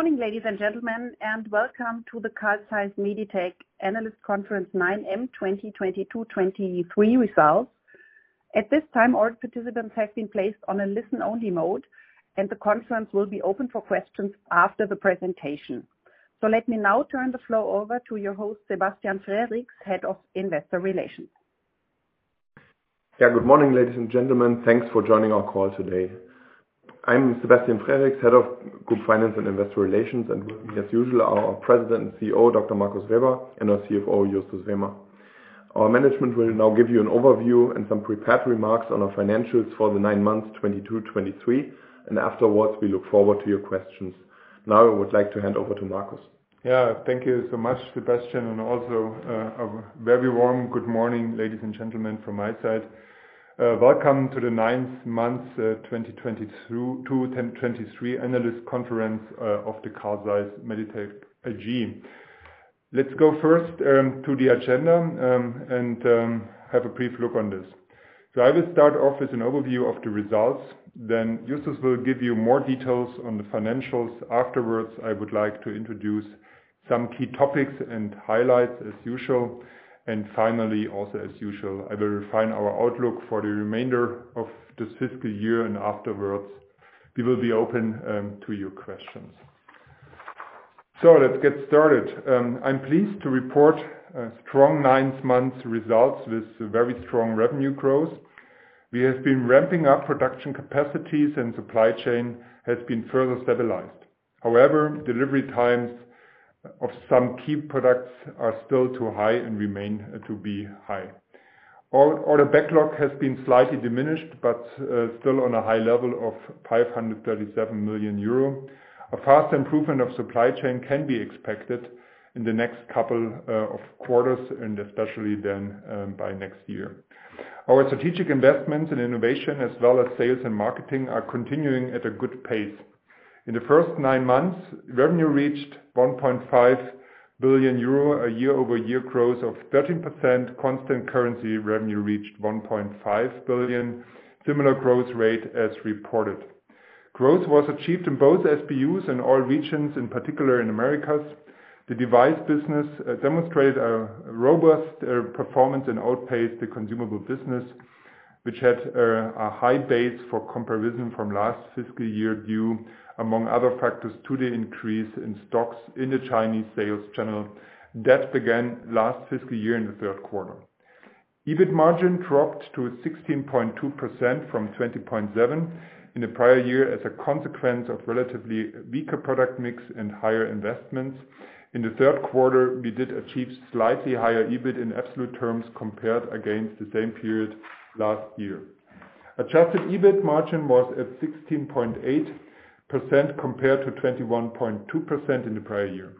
Morning ladies and gentlemen, and welcome to the Carl Zeiss Meditec Analyst Conference 9M 2022-2023 results. At this time, all participants have been placed on a listen-only mode, and the conference will be open for questions after the presentation. Let me now turn the floor over to your host, Sebastian Frericks, Head of Investor Relations. Yeah. Good morning, ladies and gentlemen. Thanks for joining our call today. I'm Sebastian Frericks, Head of Group Finance and Investor Relations. With me, as usual, our President and CEO, Dr. Markus Weber, and our CFO, Justus Wehmer. Our management will now give you an overview and some prepared remarks on our financials for the nine months 2022/2023. Afterwards, we look forward to your questions. Now, I would like to hand over to Markus. Yeah. Thank you so much, Sebastian. Also, a very warm good morning, ladies and gentlemen, from my side. Welcome to the ninth month 2022/2023 analyst conference of the Carl Zeiss Meditec AG. Let's go first to the agenda and have a brief look on this. I will start off with an overview of the results. Justus will give you more details on the financials. Afterwards, I would like to introduce some key topics and highlights as usual, and finally, also as usual, I will refine our outlook for the remainder of this fiscal year, and afterwards, we will be open to your questions. Let's get started. I'm pleased to report strong nine months results with very strong revenue growth. We have been ramping up production capacities and supply chain has been further stabilized. However, delivery times of some key products are still too high and remain to be high. Our order backlog has been slightly diminished, but still on a high level of 537 million euro. A fast improvement of supply chain can be expected in the next couple of quarters and especially then by next year. Our strategic investments in innovation, as well as sales and marketing, are continuing at a good pace. In the first nine months, revenue reached 1.5 billion euro, a year-over-year growth of 13%. Constant currency revenue reached 1.5 billion, similar growth rate as reported. Growth was achieved in both SBUs and all regions, in particular in Americas. The device business demonstrated a robust performance and outpaced the consumable business, which had a high base for comparison from last fiscal year, due among other factors, to the increase in stocks in the Chinese sales channel that began last fiscal year in the third quarter. EBIT margin dropped to 16.2% from 20.7% in the prior year, as a consequence of relatively weaker product mix and higher investments. In the third quarter, we did achieve slightly higher EBIT in absolute terms compared against the same period last year. Adjusted EBIT margin was at 16.8%, compared to 21.2% in the prior year.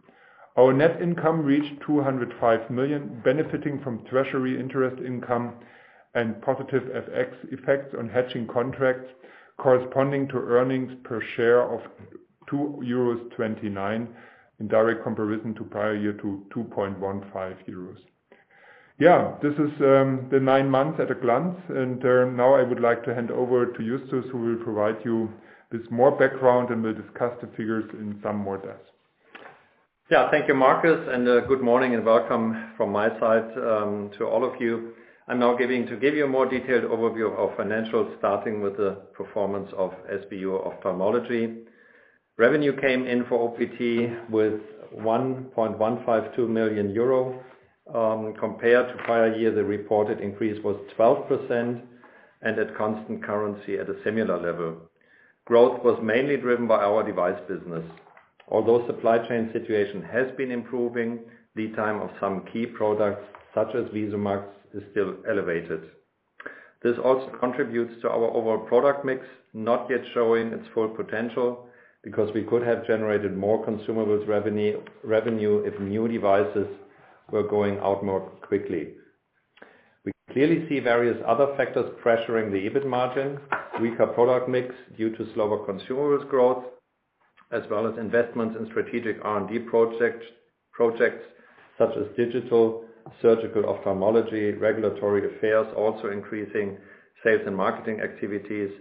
Our net income reached 205 million, benefiting from treasury interest income and positive FX effects on hedging contracts, corresponding to earnings per share of 2.29 euros, in direct comparison to prior year to 2.15 euros. Yeah, this is the nine months at a glance, and now I would like to hand over to Justus, who will provide you with more background, and we'll discuss the figures in some more depth. Yeah. Thank you, Markus. Good morning and welcome from my side to all of you. I'm now to give you a more detailed overview of our financials, starting with the performance of SBU Ophthalmology. Revenue came in for OPT with 1.152 million euro. Compared to prior year, the reported increase was 12% and at constant currency at a similar level. Growth was mainly driven by our device business. Although supply chain situation has been improving, lead time of some key products, such as VisuMax, is still elevated. This also contributes to our overall product mix, not yet showing its full potential, because we could have generated more consumables revenue if new devices were going out more quickly. We clearly see various other factors pressuring the EBIT margin, weaker product mix due to slower consumables growth, as well as investments in strategic R&D project, projects such as digital, surgical ophthalmology, regulatory affairs, also increasing sales and marketing activities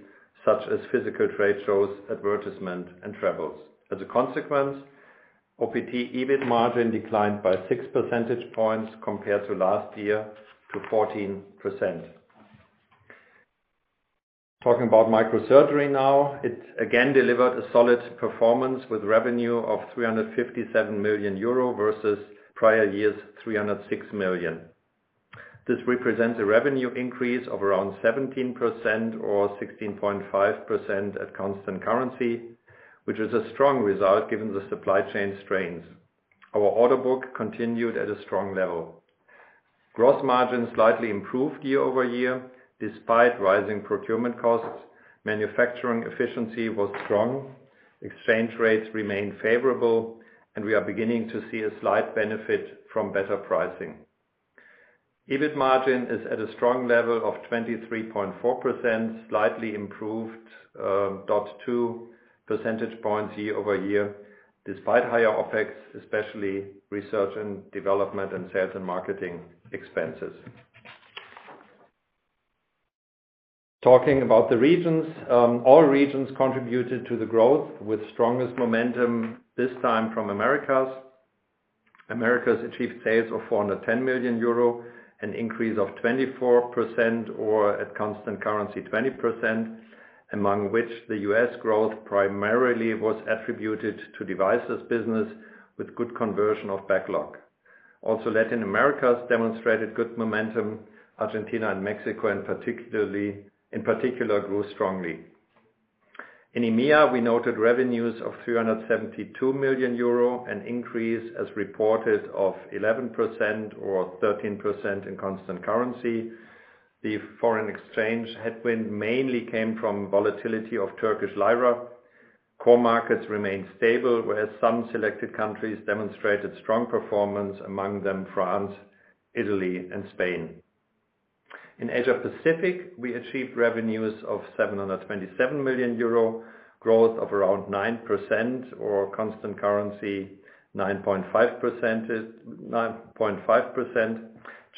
such as physical trade shows, advertisement, and travels. As a consequence, OPT EBIT margin declined by 6 percentage points compared to last year, to 14%. Talking about Microsurgery now. It again delivered a solid performance with revenue of 357 million euro, versus prior year's 306 million. This represents a revenue increase of around 17% or 16.5% at constant currency, which is a strong result given the supply chain strains. Our order book continued at a strong level. Gross margin slightly improved year-over-year, despite rising procurement costs. Manufacturing efficiency was strong, exchange rates remained favorable, and we are beginning to see a slight benefit from better pricing. EBIT margin is at a strong level of 23.4%, slightly improved 0.2 percentage points year-over-year, despite higher OpEx, especially research and development and sales and marketing expenses. Talking about the regions, all regions contributed to the growth with strongest momentum, this time from Americas. Americas achieved sales of 410 million euro, an increase of 24% or at constant currency, 20%, among which the U.S. growth primarily was attributed to devices business with good conversion of backlog. Latin Americas demonstrated good momentum, Argentina and Mexico, in particular, grew strongly. In EMEA, we noted revenues of 372 million euro, an increase as reported of 11% or 13% in constant currency. The foreign exchange headwind mainly came from volatility of Turkish lira. Core markets remained stable, whereas some selected countries demonstrated strong performance, among them France, Italy, and Spain. In Asia Pacific, we achieved revenues of 727 million euro, growth of around 9% or constant currency, 9.5%, 9.5%.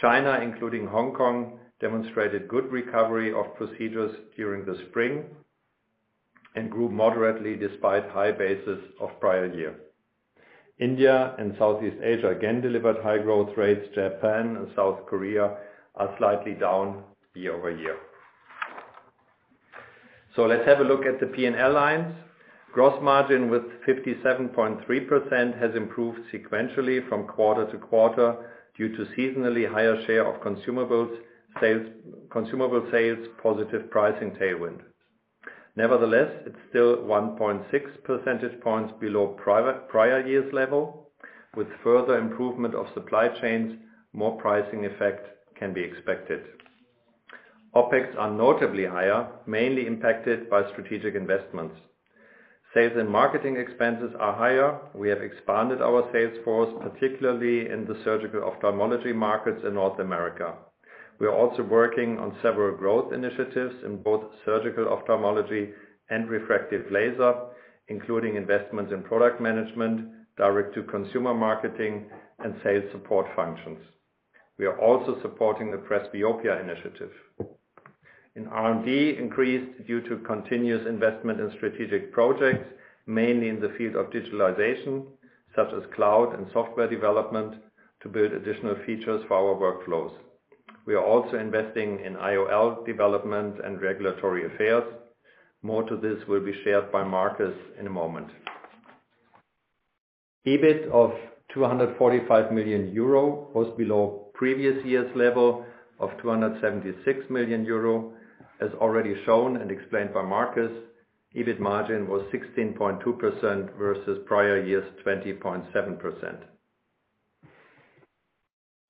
China, including Hong Kong, demonstrated good recovery of procedures during the spring and grew moderately despite high basis of prior year. India and Southeast Asia again delivered high growth rates. Japan and South Korea are slightly down year-over-year. Let's have a look at the P&L lines. Gross margin with 57.3% has improved sequentially from quarter-to-quarter due to seasonally higher share of consumables sales, consumable sales, positive pricing tailwind. Nevertheless, it's still 1.6 percentage points below prior year's level. With further improvement of supply chains, more pricing effect can be expected. OpEx are notably higher, mainly impacted by strategic investments. Sales and marketing expenses are higher. We have expanded our sales force, particularly in the surgical ophthalmology markets in North America. We are also working on several growth initiatives in both surgical ophthalmology and refractive laser, including investments in product management, direct-to-consumer marketing, and sales support functions. We are also supporting the presbyopia initiative. In R&D, increased due to continuous investment in strategic projects, mainly in the field of digitalization, such as cloud and software development, to build additional features for our workflows. We are also investing in IOL development and regulatory affairs. More to this will be shared by Markus in a moment. EBIT of 245 million euro was below previous year's level of 276 million euro. As already shown and explained by Markus, EBIT margin was 16.2% versus prior year's 20.7%.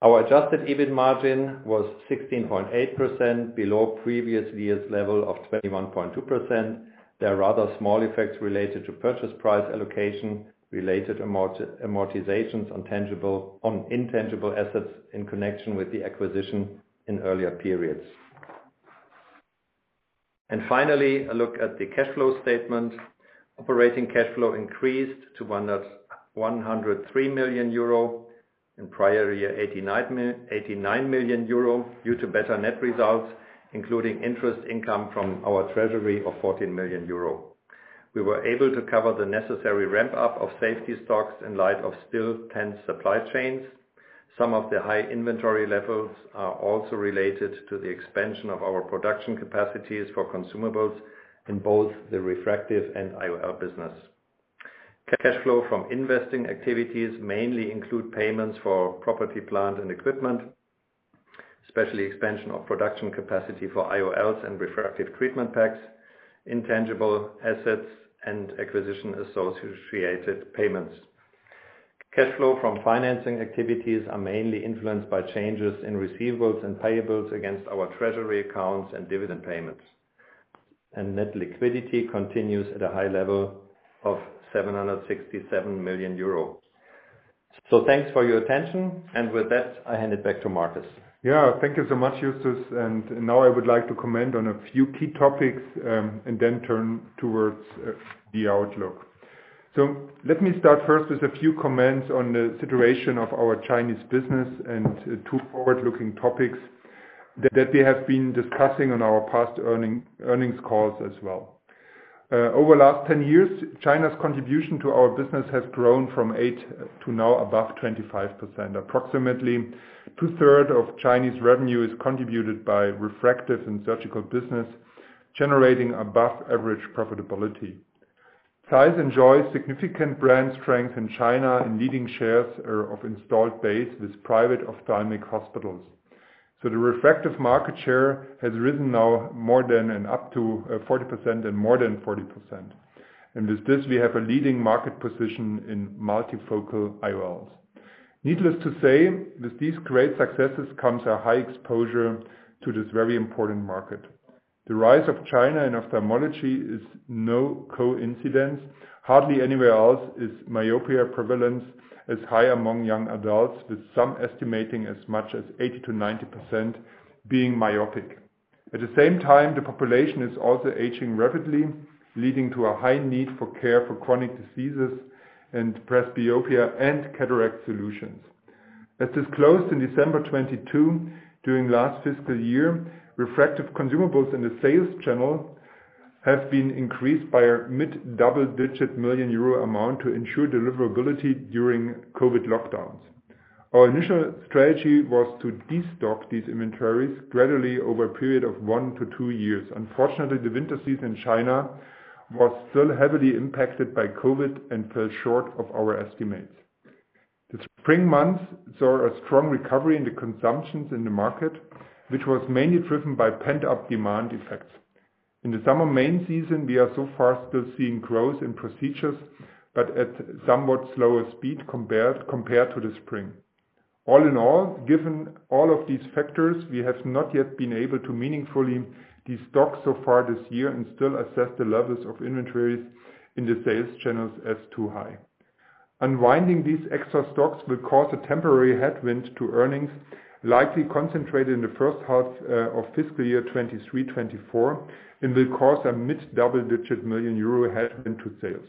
Our adjusted EBIT margin was 16.8%, below previous year's level of 21.2%. There are rather small effects related to purchase price allocation, related amortizations on tangible on intangible assets in connection with the acquisition in earlier periods. Finally, a look at the cash flow statement. Operating cash flow increased to 103 million euro, in prior year, 89 million euro, due to better net results, including interest income from our treasury of 14 million euro. We were able to cover the necessary ramp-up of safety stocks in light of still tense supply chains. Some of the high inventory levels are also related to the expansion of our production capacities for consumables in both the refractive and IOL business. Cash flow from investing activities mainly include payments for property, plant, and equipment, especially expansion of production capacity for IOLs and refractive treatment packs, intangible assets, and acquisition associated payments. Cash flow from financing activities are mainly influenced by changes in receivables and payables against our treasury accounts and dividend payments. Net liquidity continues at a high level of 767 million euro. Thanks for your attention, and with that, I hand it back to Markus. Yeah, thank you so much, Justus. Now I would like to comment on a few key topics, and then turn towards the outlook. Let me start first with a few comments on the situation of our Chinese business and two forward-looking topics that, that we have been discussing on our past earnings calls as well. Over the last 10 years, China's contribution to our business has grown from 8% to now above 25%. Approximately 2/3 of Chinese revenue is contributed by refractive and surgical business, generating above average profitability. ZEISS enjoys significant brand strength in China, and leading shares are of installed base with private ophthalmic hospitals. The refractive market share has risen now more than and up to 40% and more than 40%. With this, we have a leading market position in multifocal IOLs. Needless to say, with these great successes comes a high exposure to this very important market. The rise of China and ophthalmology is no coincidence. Hardly anywhere else is myopia prevalence as high among young adults, with some estimating as much as 80%-90% being myopic. At the same time, the population is also aging rapidly, leading to a high need for care for chronic diseases and presbyopia and cataract solutions. As disclosed in December 2022, during last fiscal year, refractive consumables in the sales channel have been increased by a mid-double-digit million euro amount to ensure deliverability during COVID lockdowns. Our initial strategy was to destock these inventories gradually over a period of one to two years. Unfortunately, the winter season in China was still heavily impacted by COVID and fell short of our estimates. The spring months saw a strong recovery in the consumptions in the market, which was mainly driven by pent-up demand effects. In the summer main season, we are so far still seeing growth in procedures, but at somewhat slower speed compared to the spring. All in all, given all of these factors, we have not yet been able to meaningfully destock so far this year and still assess the levels of inventories in the sales channels as too high. Unwinding these extra stocks will cause a temporary headwind to earnings, likely concentrated in the first half of fiscal year 2023/2024, and will cause a mid-double-digit million euro headwind to sales,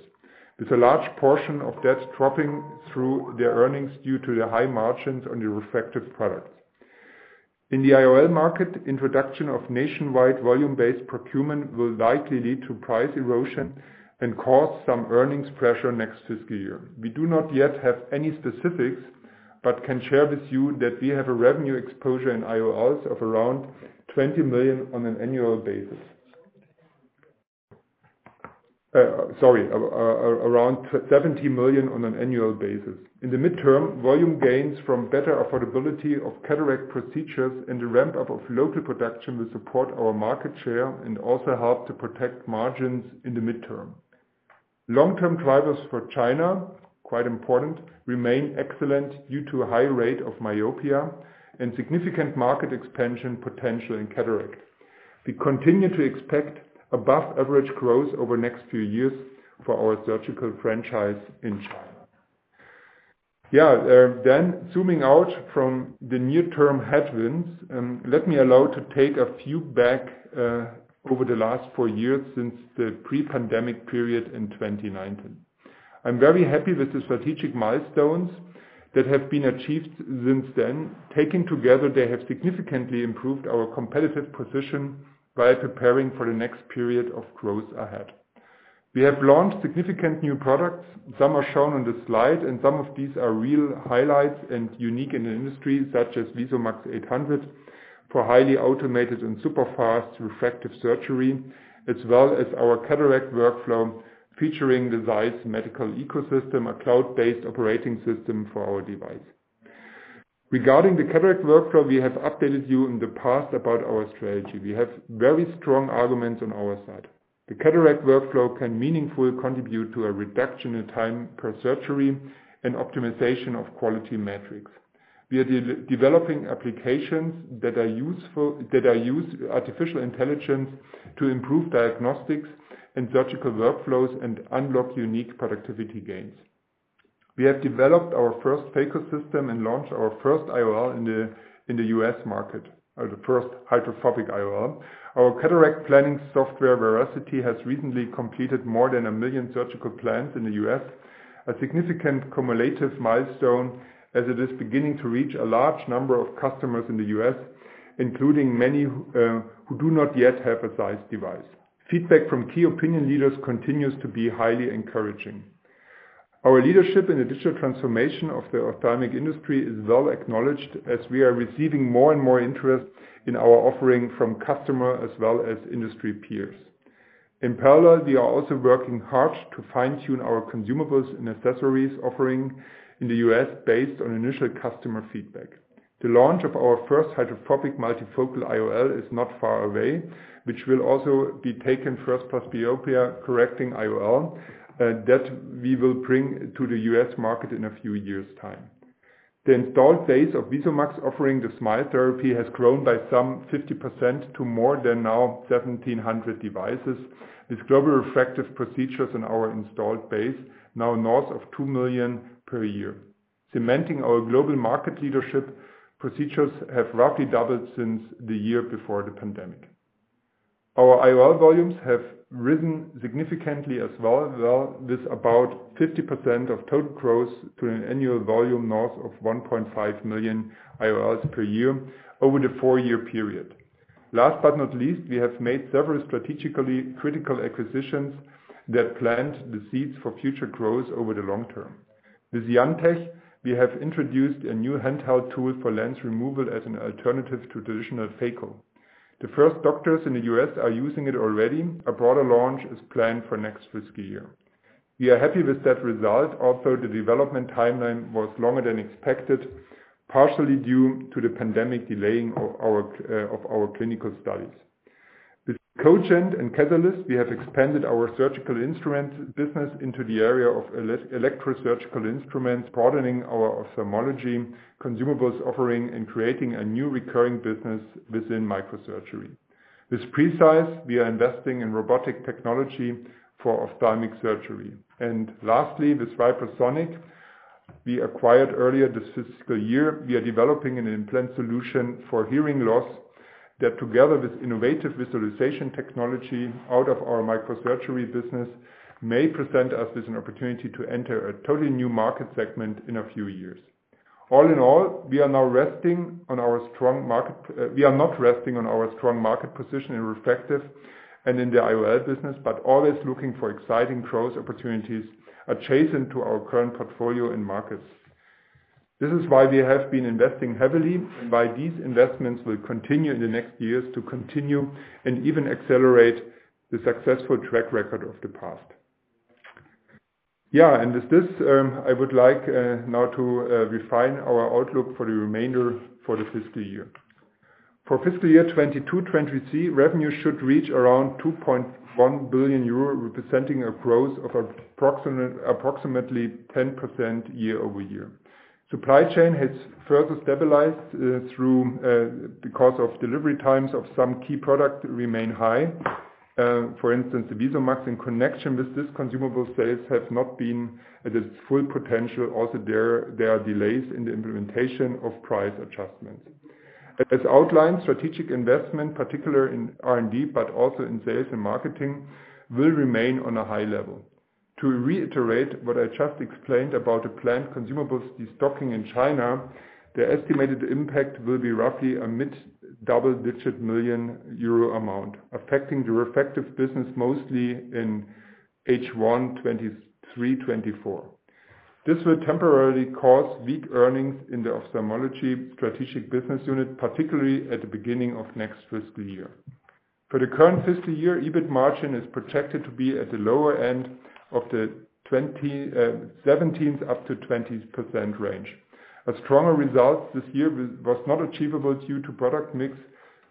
with a large portion of that dropping through the earnings due to the high margins on the refractive products. In the IOL market, introduction of nationwide volume-based procurement will likely lead to price erosion and cause some earnings pressure next fiscal year. We do not yet have any specifics, but can share with you that we have a revenue exposure in IOLs of around 20 million on an annual basis. Sorry, around 70 million on an annual basis. In the midterm, volume gains from better affordability of cataract procedures and the ramp-up of local production will support our market share and also help to protect margins in the midterm. Long-term drivers for China, quite important, remain excellent due to a high rate of myopia and significant market expansion potential in cataract. We continue to expect above-average growth over the next few years for our surgical franchise in China. Yeah, zooming out from the near-term headwinds, let me allow to take a few back over the last four years since the pre-pandemic period in 2019. I'm very happy with the strategic milestones that have been achieved since then. Taken together, they have significantly improved our competitive position by preparing for the next period of growth ahead. We have launched significant new products. Some are shown on the slide, and some of these are real highlights and unique in the industry, such as VISUMAX 800, for highly automated and super-fast refractive surgery, as well as our Cataract Workflow, featuring the ZEISS Medical Ecosystem, a cloud-based operating system for our device. Regarding the Cataract Workflow, we have updated you in the past about our strategy. We have very strong arguments on our side. The Cataract Workflow can meaningfully contribute to a reduction in time per surgery and optimization of quality metrics. We are de-developing applications that are use artificial intelligence to improve diagnostics and surgical workflows and unlock unique productivity gains. We have developed our first phaco system and launched our first IOL in the U.S. market, the first hydrophobic IOL. Our cataract planning software, Veracity, has recently completed more than 1 million surgical plans in the U.S., a significant cumulative milestone as it is beginning to reach a large number of customers in the U.S., including many who do not yet have a ZEISS device. Feedback from key opinion leaders continues to be highly encouraging. Our leadership in the digital transformation of the ophthalmic industry is well acknowledged, as we are receiving more and more interest in our offering from customer as well as industry peers. In parallel, we are also working hard to fine-tune our consumables and accessories offering in the U.S. based on initial customer feedback. The launch of our first hydrophobic multifocal IOL is not far away, which will also be taken first plus myopia, correcting IOL, that we will bring to the U.S. market in a few years' time. The installed base of VisuMax, offering the SMILE therapy, has grown by some 50% to more than now 1,700 devices, with global refractive procedures in our installed base now north of 2 million per year. Cementing our global market leadership, procedures have roughly doubled since the year before the pandemic. Our IOL volumes have risen significantly as well, well, with about 50% of total growth to an annual volume north of 1.5 million IOLs per year over the four-year period. Last but not least, we have made several strategically critical acquisitions that plant the seeds for future growth over the long term. With IanTECH, we have introduced a new handheld tool for lens removal as an alternative to traditional phaco. The first doctors in the U.S. are using it already. A broader launch is planned for next fiscal year. We are happy with that result, although the development timeline was longer than expected, partially due to the pandemic delaying of our, of our clinical studies. With Kogent and Katalyst, we have expanded our surgical instrument business into the area of electrosurgical instruments, broadening our ophthalmology consumables offering and creating a new recurring business within Microsurgery. With Precise, we are investing in robotic technology for ophthalmic surgery. Lastly, with Vibrosonic, we acquired earlier this fiscal year, we are developing an implant solution for hearing loss that together with innovative visualization technology out of our Microsurgery business, may present us with an opportunity to enter a totally new market segment in a few years. All in all, we are now resting on our strong market, we are not resting on our strong market position in refractive and in the IOL business, but always looking for exciting growth opportunities adjacent to our current portfolio and markets. This is why we have been investing heavily, and why these investments will continue in the next years to continue and even accelerate the successful track record of the past. Yeah, with this, I would like now to refine our outlook for the remainder for the fiscal year. For fiscal year 2022/2023, revenue should reach around 2.1 billion euro, representing a growth of approximately 10% year-over-year. Supply chain has further stabilized because of delivery times of some key products remain high. For instance, the VisuMax in connection with this consumable sales have not been at its full potential. Also, there are delays in the implementation of price adjustments. As outlined, strategic investment, particularly in R&D, but also in sales and marketing, will remain on a high level. To reiterate what I just explained about the planned consumables destocking in China, the estimated impact will be roughly a mid-double-digit million euro amount, affecting the refractive business mostly in H1 2023/2024. This will temporarily cause weak earnings in the Ophthalmology strategic business unit, particularly at the beginning of next fiscal year. For the current fiscal year, EBIT margin is projected to be at the lower end of the 17%-20% range. A stronger result this year was not achievable due to product mix,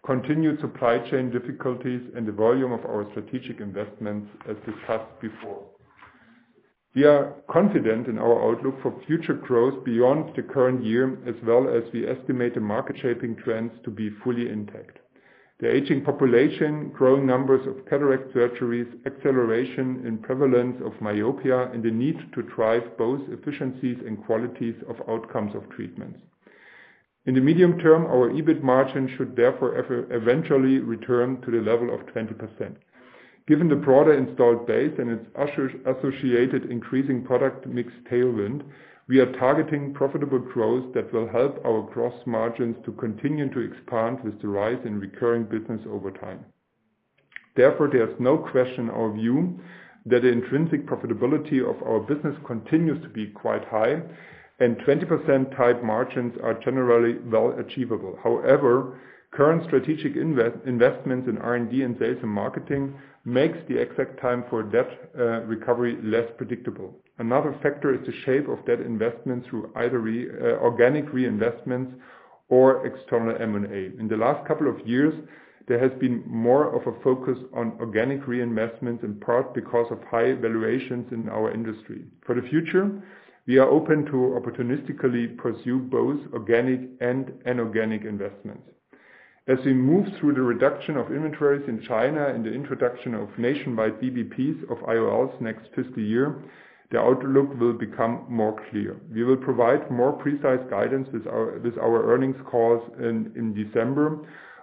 continued supply chain difficulties, and the volume of our strategic investments, as discussed before. We are confident in our outlook for future growth beyond the current year, as well as we estimate the market-shaping trends to be fully intact. The aging population, growing numbers of cataract surgeries, acceleration in prevalence of myopia, and the need to drive both efficiencies and qualities of outcomes of treatments. In the medium term, our EBIT margin should therefore eventually return to the level of 20%. Given the broader installed base and its associated increasing product mix tailwind, we are targeting profitable growth that will help our gross margins to continue to expand with the rise in recurring business over time. Therefore, there's no question in our view that the intrinsic profitability of our business continues to be quite high, and 20% type margins are generally well achievable. However, current strategic investments in R&D and sales and marketing makes the exact time for debt recovery less predictable. Another factor is the shape of that investment through either organic reinvestments or external M&A. In the last couple of years, there has been more of a focus on organic reinvestment, in part because of high valuations in our industry. For the future, we are open to opportunistically pursue both organic and inorganic investments. As we move through the reduction of inventories in China and the introduction of nationwide VBPs of IOLs next fiscal year, the outlook will become more clear. We will provide more precise guidance with our, with our earnings calls in December,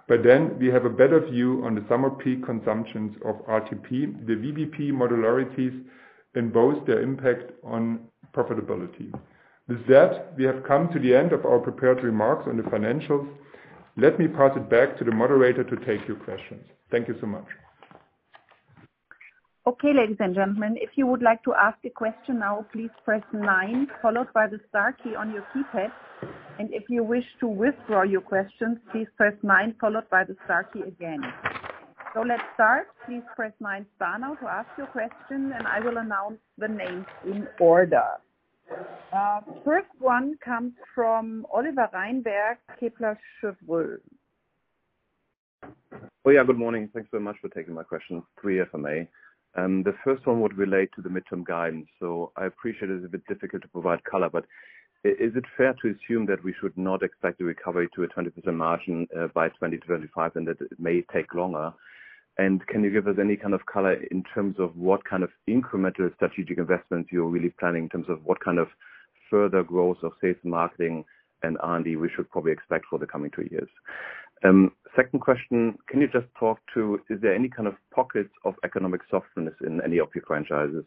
by then we have a better view on the summer peak consumptions of RTP, the VBP modularities, and both their impact on profitability. With that, we have come to the end of our prepared remarks on the financials. Let me pass it back to the moderator to take your questions. Thank you so much. Okay, ladies and gentlemen, if you would like to ask a question now, please press nine, followed by the star key on your keypad. If you wish to withdraw your question, please press nine, followed by the star key again. Let's start. Please press nine star now to ask your question, and I will announce the names in order. First one comes from Oliver Reinberg, Kepler Cheuvreux. Oh, yeah, good morning. Thanks so much for taking my question. Three for me. The first one would relate to the midterm guidance. I appreciate it is a bit difficult to provide color, but is it fair to assume that we should not expect a recovery to a 20% margin by 2025, and that it may take longer? Can you give us any kind of color in terms of what kind of incremental strategic investments you're really planning, in terms of what kind of further growth of sales, marketing, and R&D we should probably expect for the coming two years? Second question: Can you just talk to, is there any kind of pockets of economic softness in any of your franchises,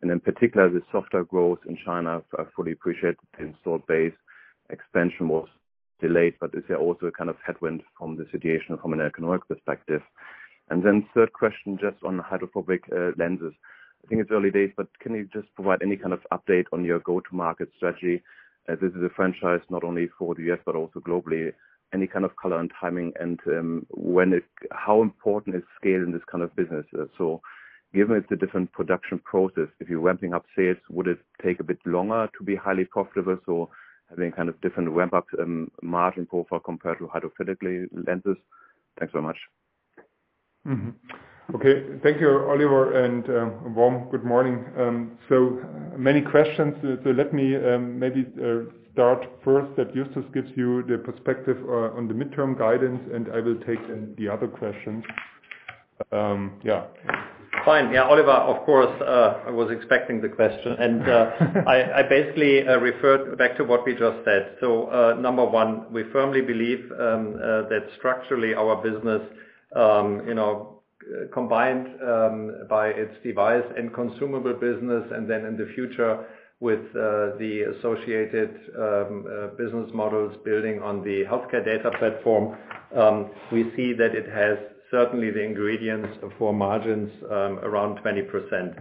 and in particular, the softer growth in China? I fully appreciate the installed base expansion was delayed, but is there also a kind of headwind from the situation from an economic perspective? Third question, just on the hydrophobic lenses. I think it's early days, but can you just provide any kind of update on your go-to-market strategy? This is a franchise not only for the U.S., but also globally. Any kind of color on timing and how important is scale in this kind of business? Given the different production process, if you're ramping up sales, would it take a bit longer to be highly profitable? Having kind of different ramp-up margin profile compared to hydrophilic lenses. Thanks so much. Okay. Thank you, Oliver. A warm good morning. Many questions. Let me, maybe, start first, that Justus gives you the perspective on the midterm guidance. I will take the other questions. Yeah. Fine, yeah, Oliver, of course, I was expecting the question, and, I, I basically, referred back to what we just said. Number one, we firmly believe that structurally, our business, you know, combined by its device and consumable business, and then in the future, with the associated business models building on the healthcare data platform, we see that it has certainly the ingredients for margins around 20%.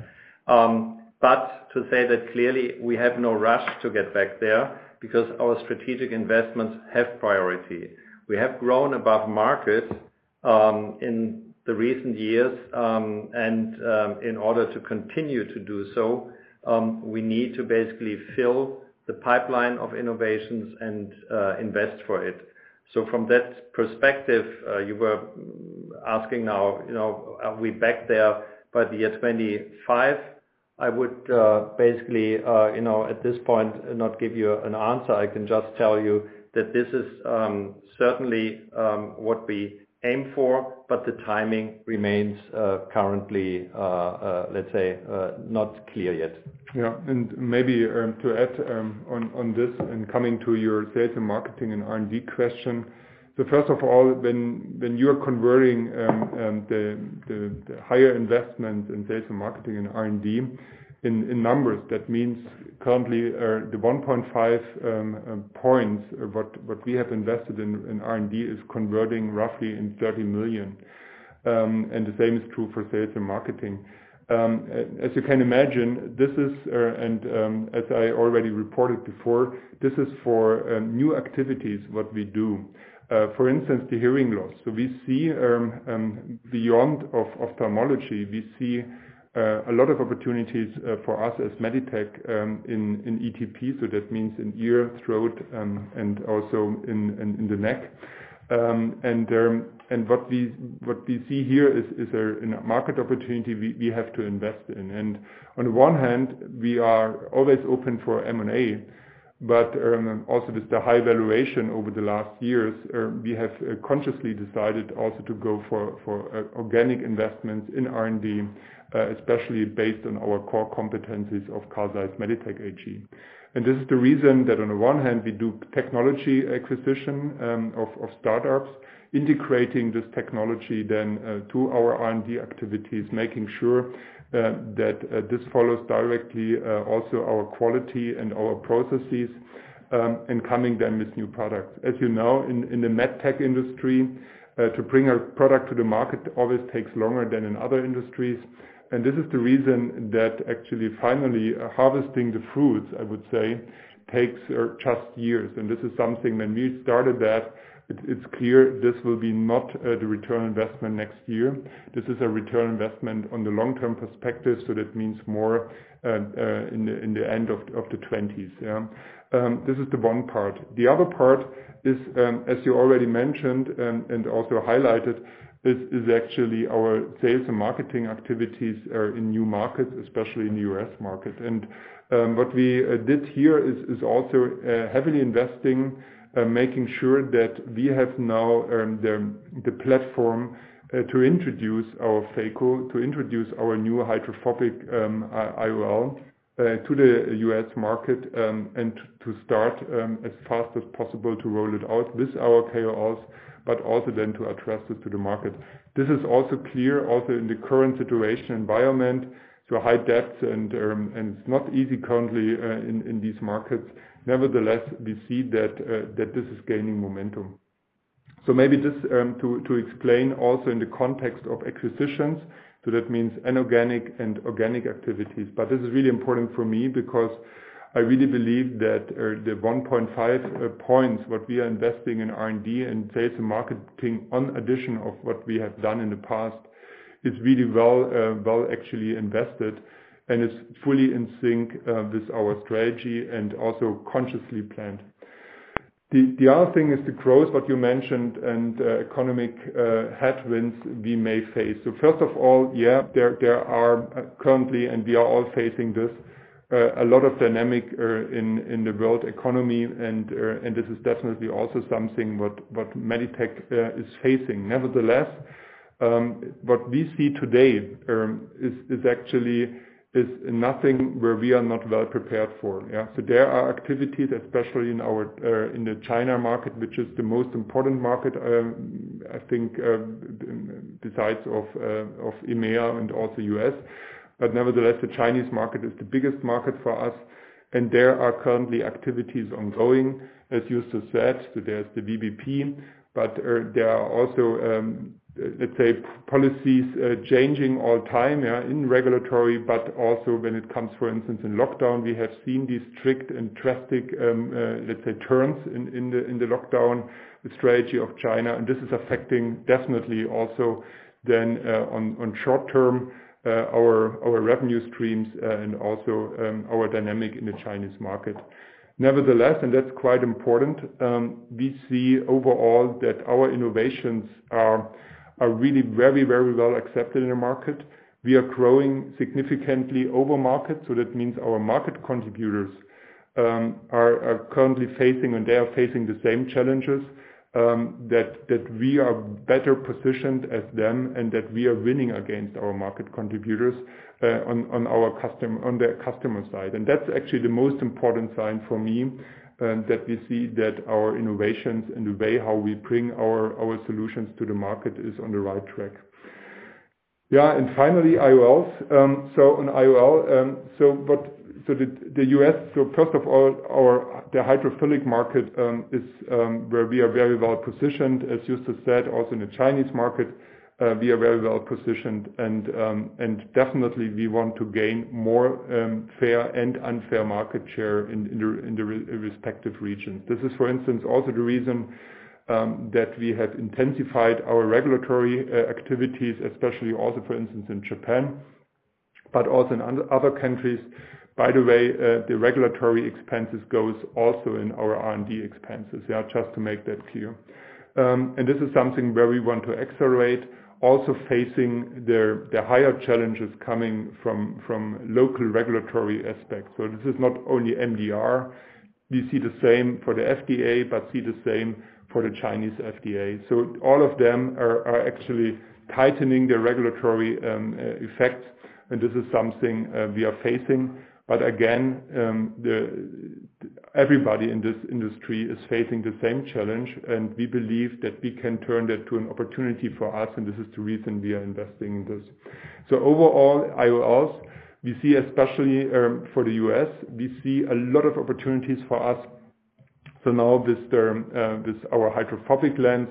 To say that clearly, we have no rush to get back there because our strategic investments have priority. We have grown above market in the recent years, and in order to continue to do so, we need to basically fill the pipeline of innovations and invest for it. From that perspective, you were asking now, you know, are we back there by the year 2025? I would, basically, you know, at this point, not give you an answer. I can just tell you that this is, certainly, what we aim for. But the timing remains, currently, let's say, not clear yet. Yeah, maybe to add on, on this and coming to your sales and marketing and R&D question. First of all, when, when you're converting the higher investment in sales and marketing and R&D in, in numbers, that means currently, the 1.5 points, what, what we have invested in, in R&D, is converting roughly in 30 million. The same is true for sales and marketing. As you can imagine, this is, and as I already reported before, this is for new activities, what we do. For instance, the hearing loss. We see beyond of Ophthalmology, we see a lot of opportunities for us as Meditec in ETP, so that means in ear, throat, and also in, in, in the neck. What we, what we see here is a market opportunity we have to invest in. On one hand, we are always open for M&A, but also with the high valuation over the last years, we have consciously decided also to go for organic investments in R&D, especially based on our core competencies of Carl Zeiss Meditec AG. This is the reason that on the one hand, we do technology acquisition of startups, integrating this technology then to our R&D activities, making sure that this follows directly also our quality and our processes, and coming then with new products. As you know, in the MedTech industry, to bring a product to the market always takes longer than in other industries. This is the reason that actually finally, harvesting the fruits, I would say, takes just years. This is something when we started that, it's clear this will be not the return on investment next year. This is a return on investment on the long-term perspective, so that means more in the end of the 20s. This is the one part. The other part is, as you already mentioned and also highlighted, is actually our sales and marketing activities are in new markets, especially in the U.S. market. What we did here is also heavily investing, making sure that we have now the platform to introduce our phaco, to introduce our new hydrophobic IOL to the U.S. market and to start as fast as possible to roll it out. This our KORs, but also then to address this to the market. This is also clear, also in the current situation environment, so high depths and it's not easy currently in these markets. Nevertheless, we see that this is gaining momentum. Maybe just to explain also in the context of acquisitions, that means inorganic and organic activities. This is really important for me because I really believe that the 1.5 points, what we are investing in R&D and sales and marketing, on addition of what we have done in the past, is really well, well actually invested, and it's fully in sync with our strategy and also consciously planned. The other thing is the growth, what you mentioned, and economic headwinds we may face. First of all, yeah, there are currently, and we are all facing this, a lot of dynamic in the world economy, and this is definitely also something what Meditec is facing. Nevertheless, what we see today, is, is actually, is nothing where we are not well prepared for, yeah? There are activities, especially in our, in the China market, which is the most important market, I think, besides of EMEA and also U.S. Nevertheless, the Chinese market is the biggest market for us, and there are currently activities ongoing, as you just said, so there's the VBP, but there are also, let's say, policies changing all the time, yeah, in regulatory, but also when it comes, for instance, in lockdown, we have seen these strict and drastic, let's say, turns in, in the, in the lockdown, the strategy of China. This is affecting definitely also then, on, on short term, our, our revenue streams, and also our dynamic in the Chinese market. Nevertheless, and that's quite important, we see overall that our innovations are really very, very well accepted in the market. We are growing significantly over market, so that means our market contributors are currently facing, and they are facing the same challenges, that we are better positioned as them and that we are winning against our market contributors on the customer side. That's actually the most important sign for me that we see that our innovations and the way how we bring our solutions to the market is on the right track. Yeah, finally, IOLs. On IOL, the U.S., first of all, the hydrophilic market is where we are very well positioned, as just said, also in the Chinese market, we are very well positioned, and definitely we want to gain more fair and unfair market share in the respective regions. This is, for instance, also the reason that we have intensified our regulatory activities, especially also, for instance, in Japan, but also in other countries. By the way, the regulatory expenses goes also in our R&D expenses, yeah, just to make that clear. And this is something where we want to accelerate, also facing the higher challenges coming from local regulatory aspects. This is not only MDR. We see the same for the FDA, but see the same for the Chinese FDA. All of them are actually tightening the regulatory effect, and this is something we are facing. Again, everybody in this industry is facing the same challenge, and we believe that we can turn that to an opportunity for us, and this is the reason we are investing in this. Overall, IOLs, we see, especially, for the U.S., we see a lot of opportunities for us. Now this term, this, our hydrophobic lens,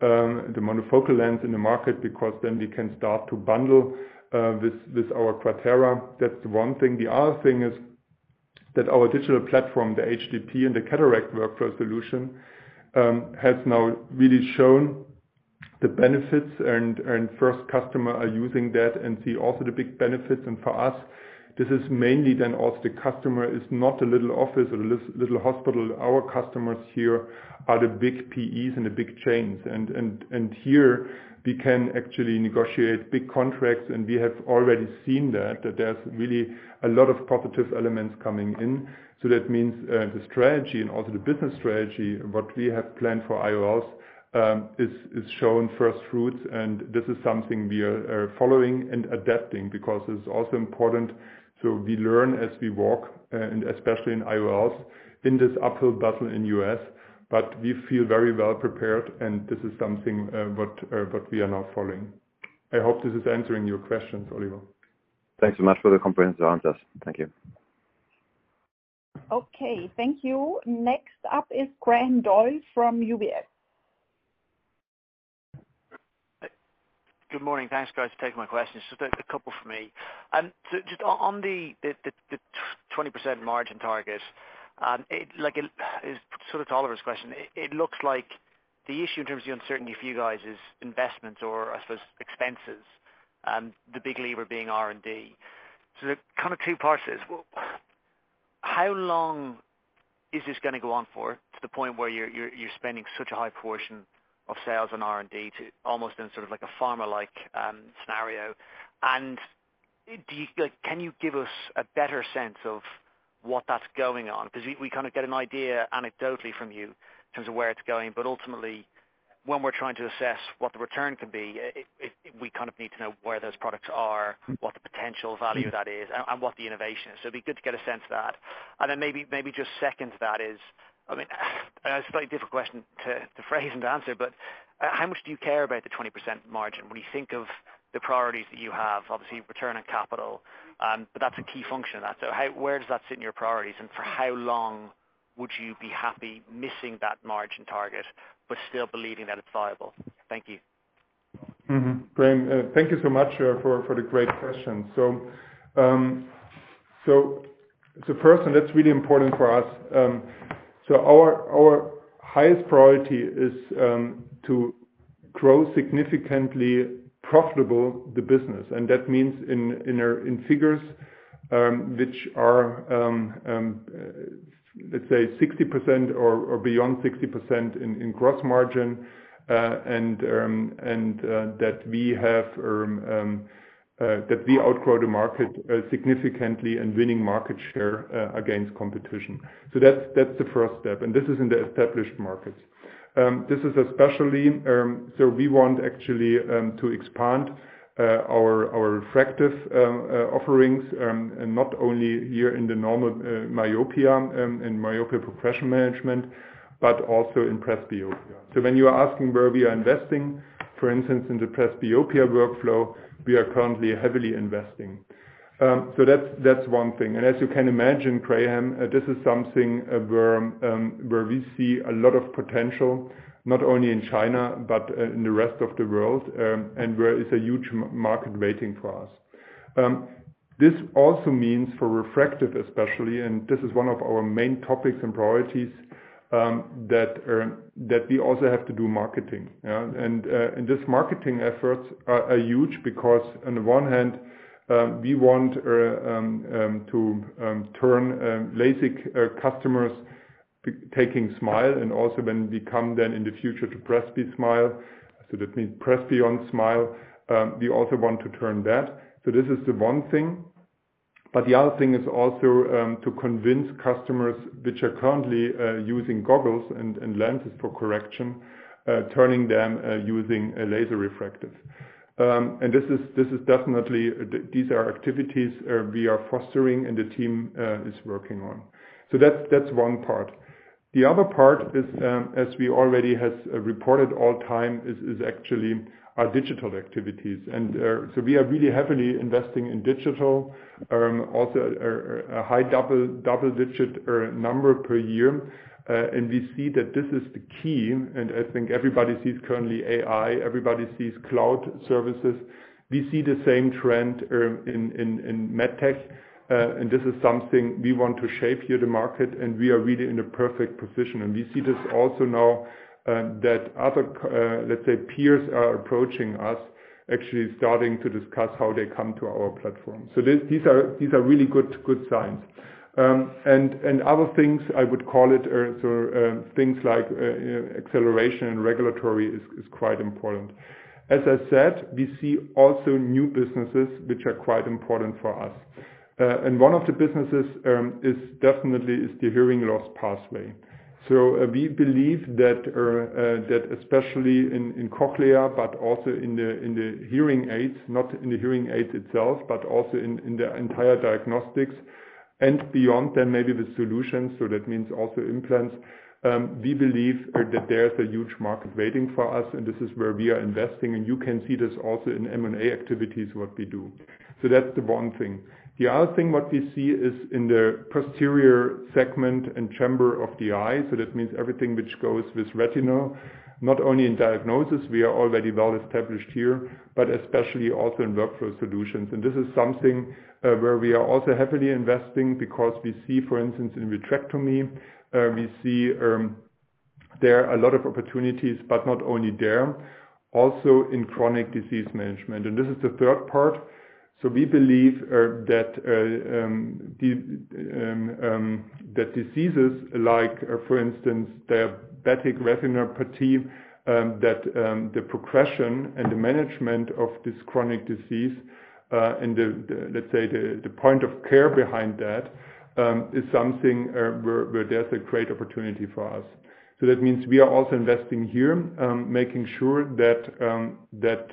the monofocal lens in the market, because then we can start to bundle this, this, our QUATERA. That's one thing. The other thing is that our digital platform, the HDP and the Cataract Workflow solution, has now really shown the benefits, and first customer are using that and see also the big benefits. For us, this is mainly then, also, the customer is not a little office or a little hospital. Our customers here are the big PEs and the big chains, and here, we can actually negotiate big contracts, and we have already seen that, that there's really a lot of positive elements coming in. That means, the strategy and also the business strategy, what we have planned for IOLs, is showing first fruits, and this is something we are following and adapting, because it's also important. We learn as we walk, and especially in IOLs, in this uphill battle in U.S., but we feel very well prepared, and this is something, what, what we are now following. I hope this is answering your questions, Oliver. Thanks so much for the comprehensive answers. Thank you. Okay, thank you. Next up is Graham Doyle from UBS. Good morning. Thanks, guys, for taking my questions. Just a couple for me. Just on the 20% margin target, it like it, sort of to Oliver's question, it looks like the issue in terms of the uncertainty for you guys is investments or, I suppose, expenses, the big lever being R&D. The kind of two parts is, well, how long is this gonna go on for, to the point where you're spending such a high portion of sales on R&D to almost in sort of like a pharma-like scenario? Like, can you give us a better sense of what that's going on? We, we kind of get an idea anecdotally from you in terms of where it's going, but ultimately, when we're trying to assess what the return can be, it, it, we kind of need to know where those products are, what the potential value of that is, and, and what the innovation is. It'd be good to get a sense of that. Then maybe, maybe just second to that is, I mean, it's a very difficult question to, to phrase and answer, but how much do you care about the 20% margin when you think of the priorities that you have? Obviously, return on capital, but that's a key function of that. How where does that sit in your priorities, and for how long would you be happy missing that margin target, but still believing that it's viable? Thank you. Graham, thank you so much for the great question. First, that's really important for us. Our highest priority is to grow significantly profitable the business, and that means in in figures which are, let's say, 60% or beyond 60% in gross margin, and that we have that we outgrow the market significantly and winning market share against competition. That's, that's the first step, and this is in the established markets. This is especially... We want actually to expand our refractive offerings, and not only here in the normal myopia and myopia progression management, but also in presbyopia. When you are asking where we are investing, for instance, in the presbyopia workflow, we are currently heavily investing. That's, that's one thing. As you can imagine, Graham, this is something where we see a lot of potential, not only in China, but in the rest of the world, and where is a huge market waiting for us. This also means for refractive especially, and this is one of our main topics and priorities, that we also have to do marketing, yeah? This marketing efforts are huge because on the one hand, we want to turn LASIK customers taking smile, and also when we come then in the future to presby smile, so that means presby on smile, we also want to turn that. This is the one thing. The other thing is also to convince customers which are currently using goggles and lenses for correction, turning them using a laser refractive. This is definitely, these are activities we are fostering and the team is working on. That's one part. The other part is, as we already have reported all time, is actually our digital activities. We are really heavily investing in digital, also, a high double-digit number per year. We see that this is the key, and I think everybody sees currently AI, everybody sees cloud services. We see the same trend, in, in, in MedTech, and this is something we want to shape here, the market, and we are really in a perfect position. And we see this also now, that other, let's say, peers are approaching us, actually starting to discuss how they come to our platform. So these are, these are really good, good signs. And, and other things I would call it, so, things like, acceleration and regulatory is, is quite important. As I said, we see also new businesses, which are quite important for us. And one of the businesses, is definitely is the hearing loss pathway. We believe that, that especially in, in cochlear, but also in the, in the hearing aids, not in the hearing aid itself, but also in, in the entire diagnostics and beyond then maybe the solution, so that means also implants. We believe that there's a huge market waiting for us, and this is where we are investing, and you can see this also in M&A activities, what we do. That's the one thing. The other thing, what we see, is in the posterior segment and chamber of the eye, so that means everything which goes with retinal, not only in diagnosis, we are already well established here, but especially also in workflow solutions. This is something where we are also heavily investing because we see, for instance, in vitrectomy, we see there are a lot of opportunities, but not only there, also in chronic disease management. This is the third part. We believe that the that diseases like, for instance, diabetic retinopathy, that the progression and the management of this chronic disease, and the, the, let's say, the, the point of care behind that, is something where there's a great opportunity for us. That means we are also investing here, making sure that that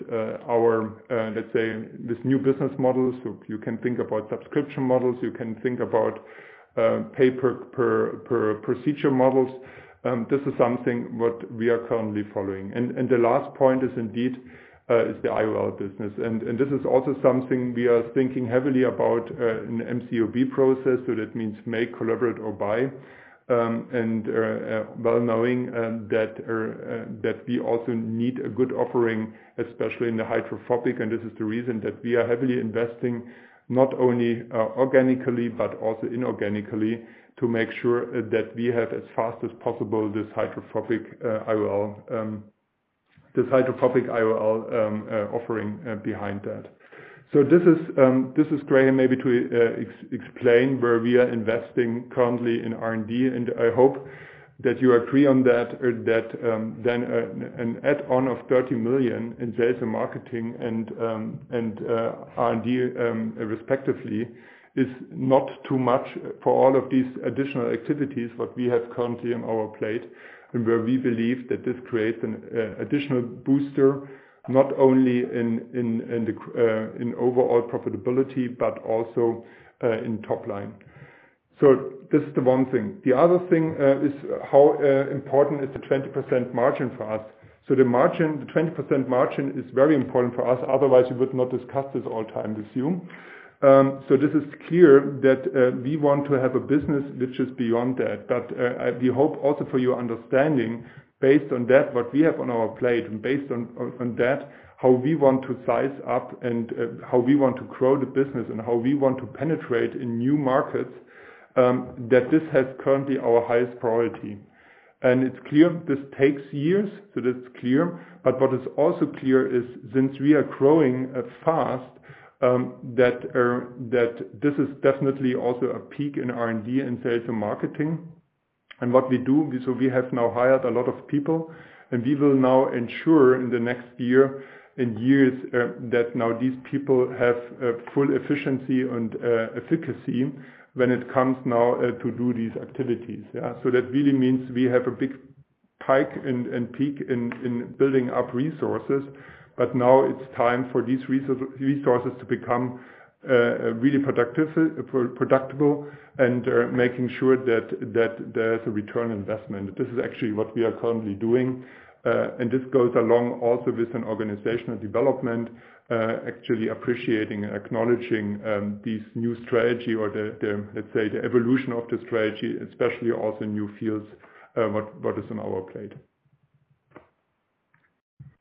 our, let's say, this new business models, you, you can think about subscription models, you can think about pay per, per, per procedure models. This is something what we are currently following. The last point is indeed, is the IOL business. This is also something we are thinking heavily about in MCOB process, so that means make, collaborate or buy. Well, knowing that we also need a good offering, especially in the hydrophobic. This is the reason that we are heavily investing, not only organically, but also inorganically, to make sure that we have as fast as possible, this hydrophobic IOL, this hydrophobic IOL offering behind that. This is, this is great, and maybe to explain where we are investing currently in R&D, and I hope that you agree on that, or that, then an add on of 30 million in sales and marketing and R&D, respectively, is not too much for all of these additional activities that we have currently on our plate, and where we believe that this creates an additional booster, not only in overall profitability, but also in top line. This is the one thing. The other thing is how important is the 20% margin for us. The margin, the 20% margin is very important for us, otherwise, we would not discuss this all time with you. This is clear that we want to have a business which is beyond that, we hope also for your understanding, based on that, what we have on our plate and based on that, how we want to size up and how we want to grow the business and how we want to penetrate in new markets, that this has currently our highest priority. It's clear this takes years, so that's clear. What is also clear is since we are growing fast, that this is definitely also a peak in R&D and sales and marketing. What we do, we have now hired a lot of people, and we will now ensure in the next year, in years, that now these people have full efficiency and efficacy when it comes now to do these activities. That really means we have a big hike and peak in building up resources, but now it's time for these resources to become really productive, productible, and making sure that there is a return on investment. This is actually what we are currently doing, this goes along also with an organizational development, actually appreciating and acknowledging this new strategy or the, the, let's say, the evolution of the strategy, especially also in new fields, what, what is on our plate.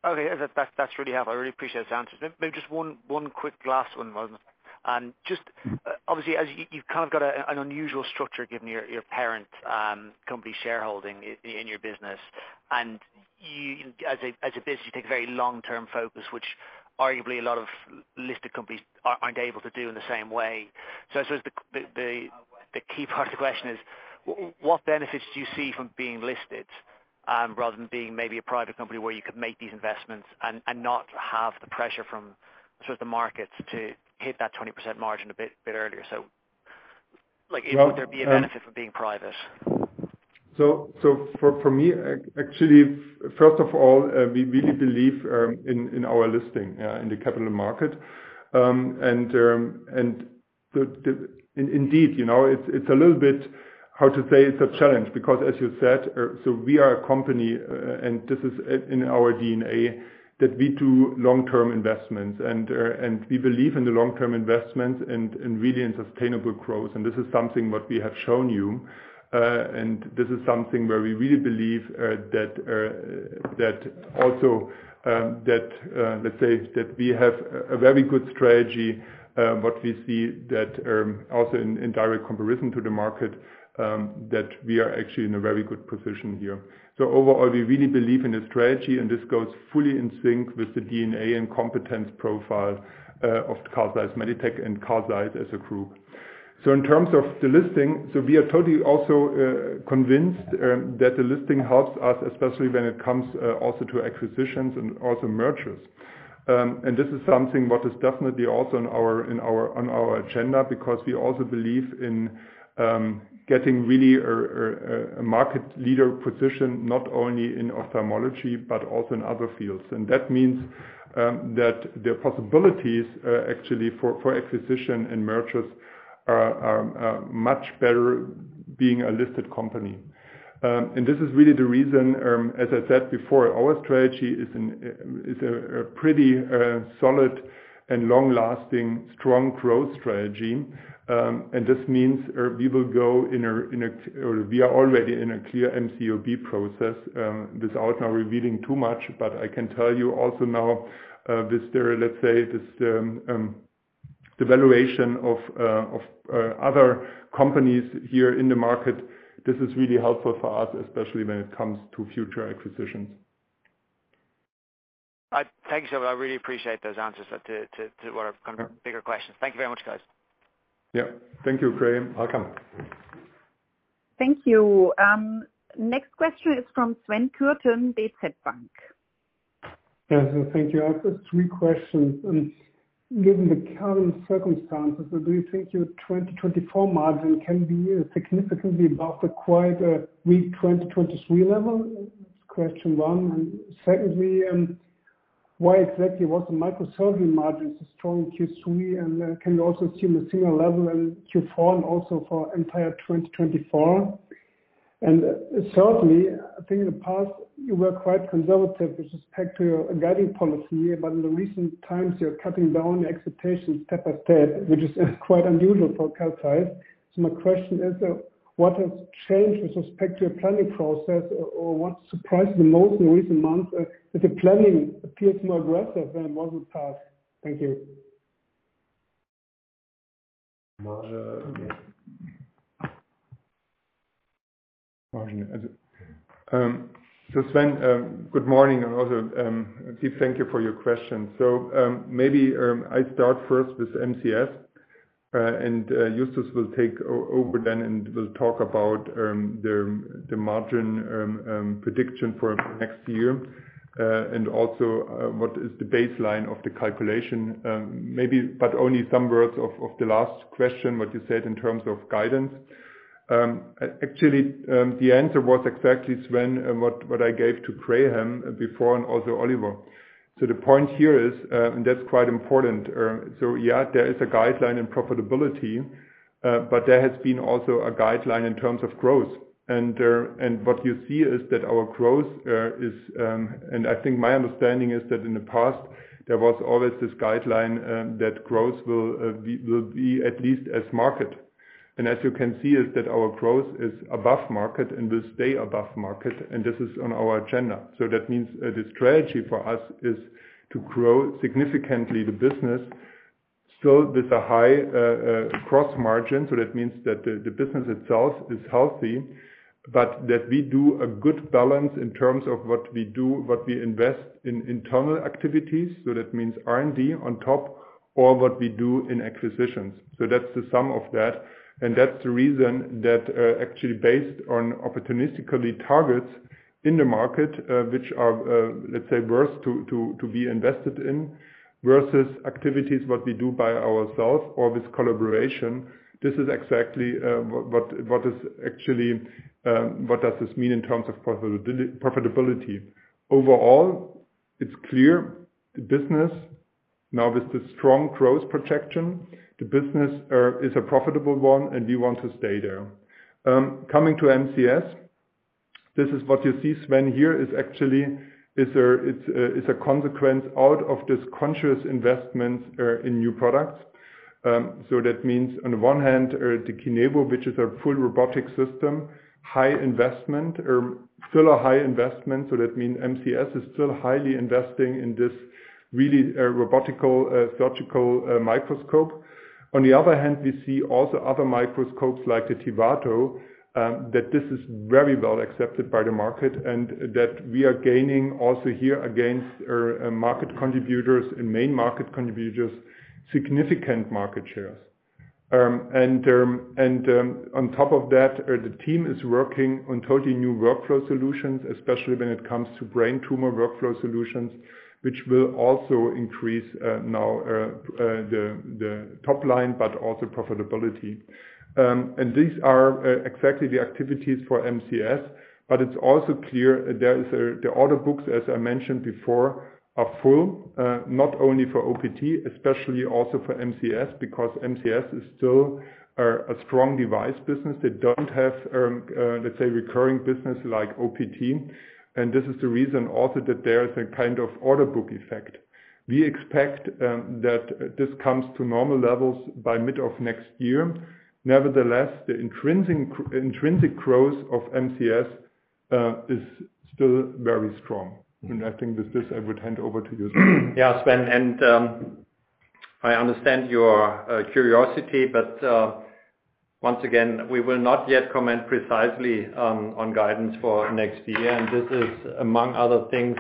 Okay, that's, that's really helpful. I really appreciate those answers. Maybe just one, one quick last one. just, obviously, as you've kind of got a, an unusual structure given your, your parent, company shareholding in your business, and you as a, as a business, you take a very long-term focus, which arguably a lot of listed companies aren't able to do in the same way. I suppose the, the, the key part of the question is: What benefits do you see from being listed? Rather than being maybe a private company where you could make these investments and not have the pressure from sort of the markets to hit that 20% margin a bit, bit earlier. Like, would there be a benefit from being private? So for me, actually, first of all, we really believe in, in our listing in the capital market. Indeed, you know, it's, it's a little bit, how to say, it's a challenge because as you said, so we are a company, and this is in, in our DNA that we do long-term investments. We believe in the long-term investments and, and really in sustainable growth. This is something what we have shown you, and this is something where we really believe that, that also, that, let's say that we have a, a very good strategy, but we see that also in, in direct comparison to the market, that we are actually in a very good position here. Overall, we really believe in the strategy, and this goes fully in sync with the DNA and competence profile of Carl Zeiss Meditec and Carl Zeiss as a group. In terms of the listing, we are totally also convinced that the listing helps us, especially when it comes also to acquisitions and also mergers. This is something what is definitely also on our agenda, because we also believe in getting really a market leader position, not only in Ophthalmology but also in other fields. That means that the possibilities actually for acquisition and mergers are much better being a listed company. This is really the reason, as I said before, our strategy is a pretty solid and long-lasting, strong growth strategy. This means we will go in a, or we are already in a clear MCOB process, without now revealing too much. I can tell you also now, this theory, let's say, this, the valuation of other companies here in the market, this is really helpful for us, especially when it comes to future acquisitions. I thank you, I really appreciate those answers to, to, to what are kind of bigger questions. Thank you very much, guys. Yeah. Thank you, Graham. Welcome. Thank you. Next question is from Sven Kuerten, DZ BANK. Yes, thank you. I have just three questions. Given the current circumstances, do you think your 2024 margin can be significantly above the quite weak 2023 level? That's question one. Secondly, why exactly was the Microsurgery margins strong in Q3, and can you also see a similar level in Q4 and also for entire 2024? Thirdly, I think in the past you were quite conservative with respect to your guiding policy, but in the recent times, you're cutting down the expectations step by step, which is quite unusual for Carl Zeiss. My question is, what has changed with respect to your planning process, or what surprised you the most in recent months? The planning appears more aggressive than it was in the past. Thank you. Sven, good morning, and also, deep thank you for your question. Maybe, I start first with MCS, and Justus will take over then, and we'll talk about the margin prediction for next year, and also, what is the baseline of the calculation. Maybe but only some words of the last question, what you said in terms of guidance. Actually, the answer was exactly, Sven, what I gave to Graham before, and also Oliver. The point here is, and that's quite important, yeah, there is a guideline in profitability, but there has been also a guideline in terms of growth. What you see is that our growth is, and I think my understanding is that in the past there was always this guideline, that growth will be, will be at least as market. As you can see, is that our growth is above market and will stay above market, and this is on our agenda. That means, the strategy for us is to grow significantly the business, still with a high, cross margin. That means that the, the business itself is healthy, but that we do a good balance in terms of what we do, what we invest in internal activities. That means R&D on top, or what we do in acquisitions. That's the sum of that. That's the reason that, actually, based on opportunistically targets in the market, which are, let's say, worth to, to, to be invested in, versus activities, what we do by ourselves or with collaboration, this is exactly, what, what, what is actually, what does this mean in terms of profitability? Overall, it's clear the business now with the strong growth protection, the business, is a profitable one, and we want to stay there. Coming to MCS, this is what you see, Sven, here is actually, is a, it's a, is a consequence out of this conscious investment, in new products. So that means on the one hand, the KINEVO, which is our full robotic system, high investment, still a high investment, so that means MCS is still highly investing in this really, robotical, surgical, microscope. On the other hand, we see also other microscopes like the TIVATO, that this is very well accepted by the market, and that we are gaining also here against market contributors and main market contributors, significant market shares. On top of that, the team is working on totally new workflow solutions, especially when it comes to brain tumor workflow solutions, which will also increase now the top line, but also profitability. These are exactly the activities for MCS, but it's also clear there is the order books, as I mentioned before, are full, not only for OPT, especially also for MCS, because MCS is still a strong device business. They don't have, let's say, recurring business like OPT. This is the reason also that there is a kind of order book effect. We expect that this comes to normal levels by mid of next year. Nevertheless, the intrinsic, intrinsic growth of MCS is still very strong. I think with this, I would hand over to you. Yeah, Sven, I understand your curiosity, but once again, we will not yet comment precisely on guidance for next year. This is, among other things,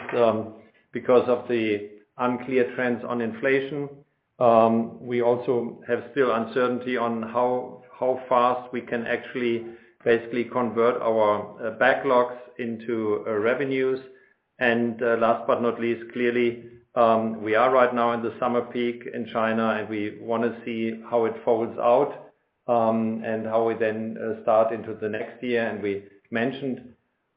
because of the unclear trends on inflation. We also have still uncertainty on how, how fast we can actually basically convert our backlogs into revenues. Last but not least, clearly, we are right now in the summer peak in China, and we want to see how it folds out, and how we then start into the next year. We mentioned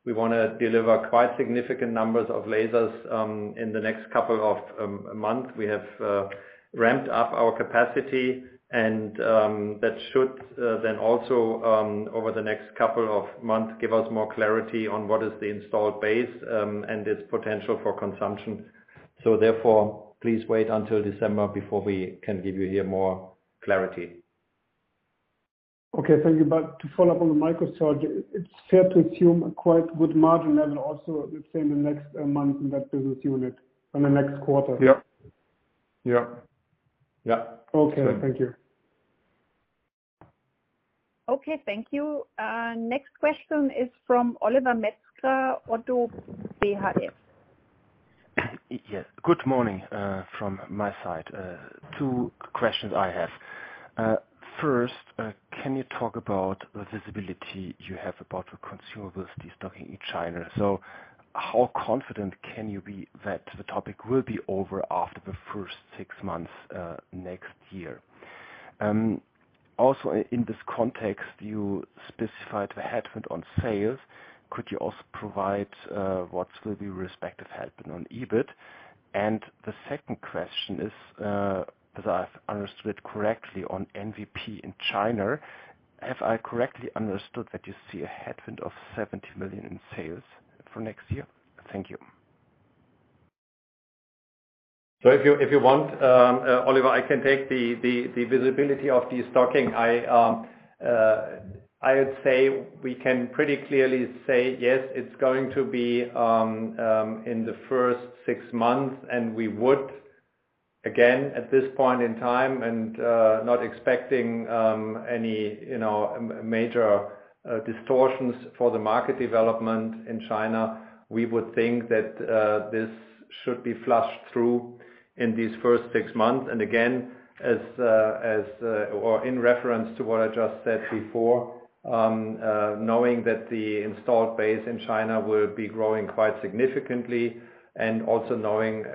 we want to deliver quite significant numbers of lasers in the next couple of months. We have ramped up our capacity and that should then also over the next couple of months, give us more clarity on what is the installed base and its potential for consumption. Therefore, please wait until December before we can give you here more clarity. Okay, thank you. To follow up on the Microsurgery, it's fair to assume a quite good margin level also, let's say, in the next month in that business unit, in the next quarter? Yep. Yep. Yeah. Okay, thank you. Okay, thank you. next question is from Oliver Metzger, Oddo BHF. Yes. Good morning from my side. Two questions I have. First, can you talk about the visibility you have about the consumer with destocking in China? How confident can you be that the topic will be over after the first six months next year? Also, in this context, you specified the headwind on sales. Could you also provide what will be respective headwind on EBIT? The second question is, as I've understood correctly, on MVP in China, have I correctly understood that you see a headwind of 70 million in sales for next year? Thank you. If you, if you want, Oliver, I can take the visibility of destocking. I would say we can pretty clearly say, yes, it's going to be in the first six months, and we would, again, at this point in time and not expecting any, you know, major distortions for the market development in China. We would think that this should be flushed through in these first six months. Again, as or in reference to what I just said before, knowing that the installed base in China will be growing quite significantly, and also knowing,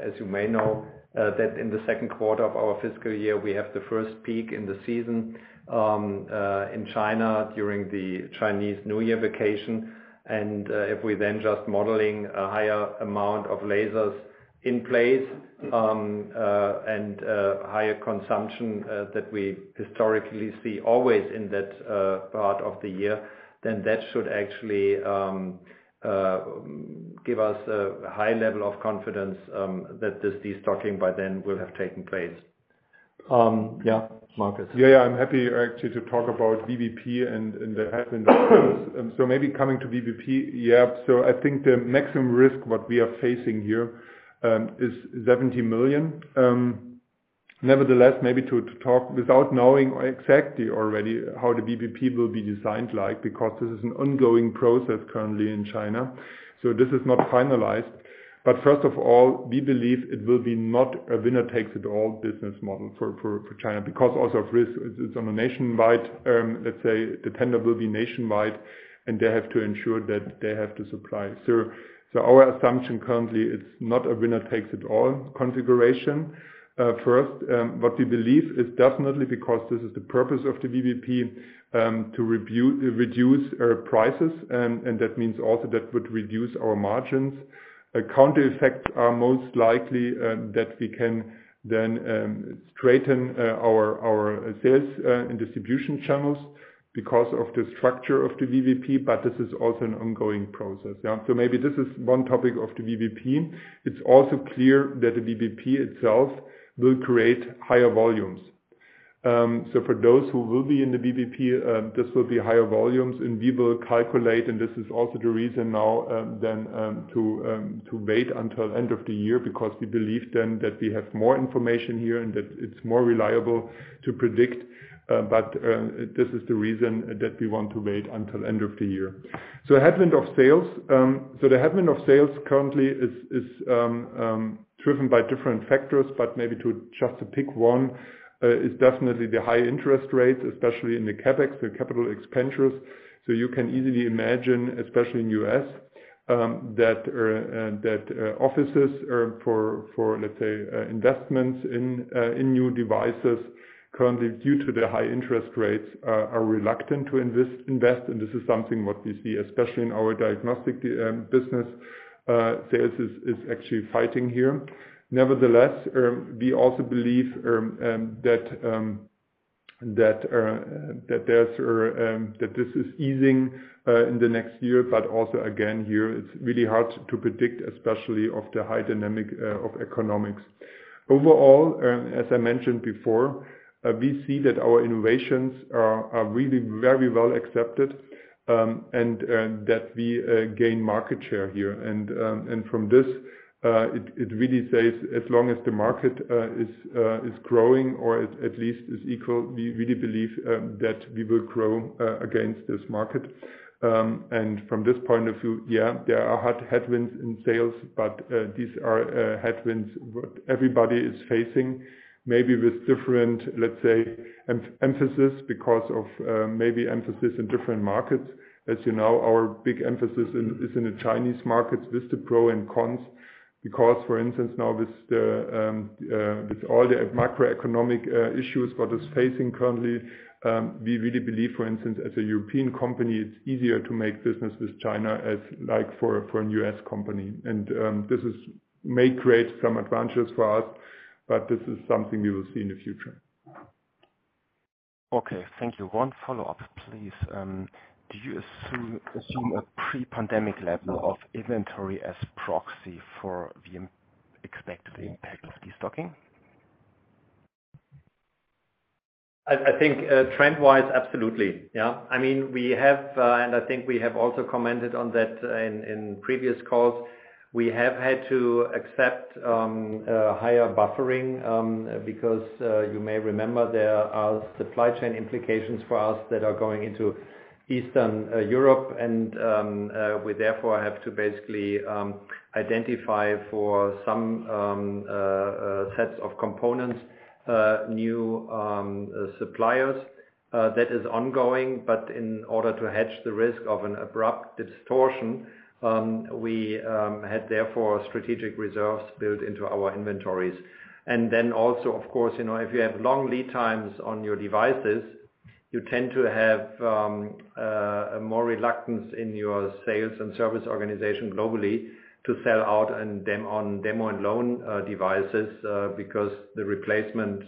as you may know, that in the second quarter of our fiscal year, we have the first peak in the season in China during the Chinese New Year vacation. If we're then just modeling a higher amount of lasers in place, and higher consumption that we historically see always in that part of the year, then that should actually give us a high level of confidence that this destocking by then will have taken place. Yeah, Markus. Yeah, yeah, I'm happy actually, to talk about VBP and, and the headwind. Maybe coming to VBP. Yeah, I think the maximum risk, what we are facing here, is 70 million. Nevertheless, maybe to, to talk without knowing exactly already how the VBP will be designed like, because this is an ongoing process currently in China, this is not finalized. First of all, we believe it will be not a winner-takes-it-all business model for, for, for China, because also of risk, it's, it's on a nationwide, let's say, the tender will be nationwide, they have to ensure that they have the supply. Our assumption currently, it's not a winner-takes-it-all configuration. First, what we believe is definitely because this is the purpose of the VBP, to rebu- reduce prices, and that means also that would reduce our margins. Counter effects are most likely that we can then straighten our sales in distribution channels because of the structure of the VBP, but this is also an ongoing process, yeah. So maybe this is one topic of the VBP. It's also clear that the VBP itself will create higher volumes. So for those who will be in the VBP, this will be higher volumes and we will calculate, and this is also the reason now, then to wait until end of the year, because we believe then that we have more information here and that it's more reliable to predict. This is the reason that we want to wait until end of the year. Headwind of sales. The headwind of sales currently is, is driven by different factors, but maybe to just to pick one, is definitely the high interest rates, especially in the CapEx, the capital expenditures. You can easily imagine, especially in U.S., that offices are for, for, let's say, investments in new devices, currently, due to the high interest rates, are reluctant to invest, invest, and this is something what we see, especially in our diagnostic business, sales is, is actually fighting here. Nevertheless, we also believe that there's that this is easing in the next year, but also, again, here, it's really hard to predict, especially of the high dynamic of economics. Overall, as I mentioned before, we see that our innovations are really very well accepted, and that we gain market share here. From this, it really says as long as the market is growing or at least is equal, we really believe that we will grow against this market. From this point of view, yeah, there are hard headwinds in sales, but these are headwinds what everybody is facing, maybe with different, let's say, emphasis, because of maybe emphasis in different markets. As you know, our big emphasis is in the Chinese markets with the pro and cons. Because, for instance, now with all the macroeconomic issues facing currently, we really believe, for instance, as a European company, it's easier to make business with China as like for a U.S. company. This may create some advantages for us, but this is something we will see in the future. Okay, thank you. One follow-up, please. Do you assume a pre-pandemic level of inventory as proxy for the expected impact of destocking? I, I think, trend-wise, absolutely, yeah. I mean, we have, and I think we have also commented on that in previous calls. We have had to accept higher buffering because you may remember there are supply chain implications for us that are going into Eastern Europe, and we therefore have to basically identify for some sets of components new suppliers. That is ongoing, but in order to hedge the risk of an abrupt distortion, we had therefore strategic reserves built into our inventories. Also, of course, you know, if you have long lead times on your devices, you tend to have a more reluctance in your sales and service organization globally, to sell out and demo and loan devices, because the replacement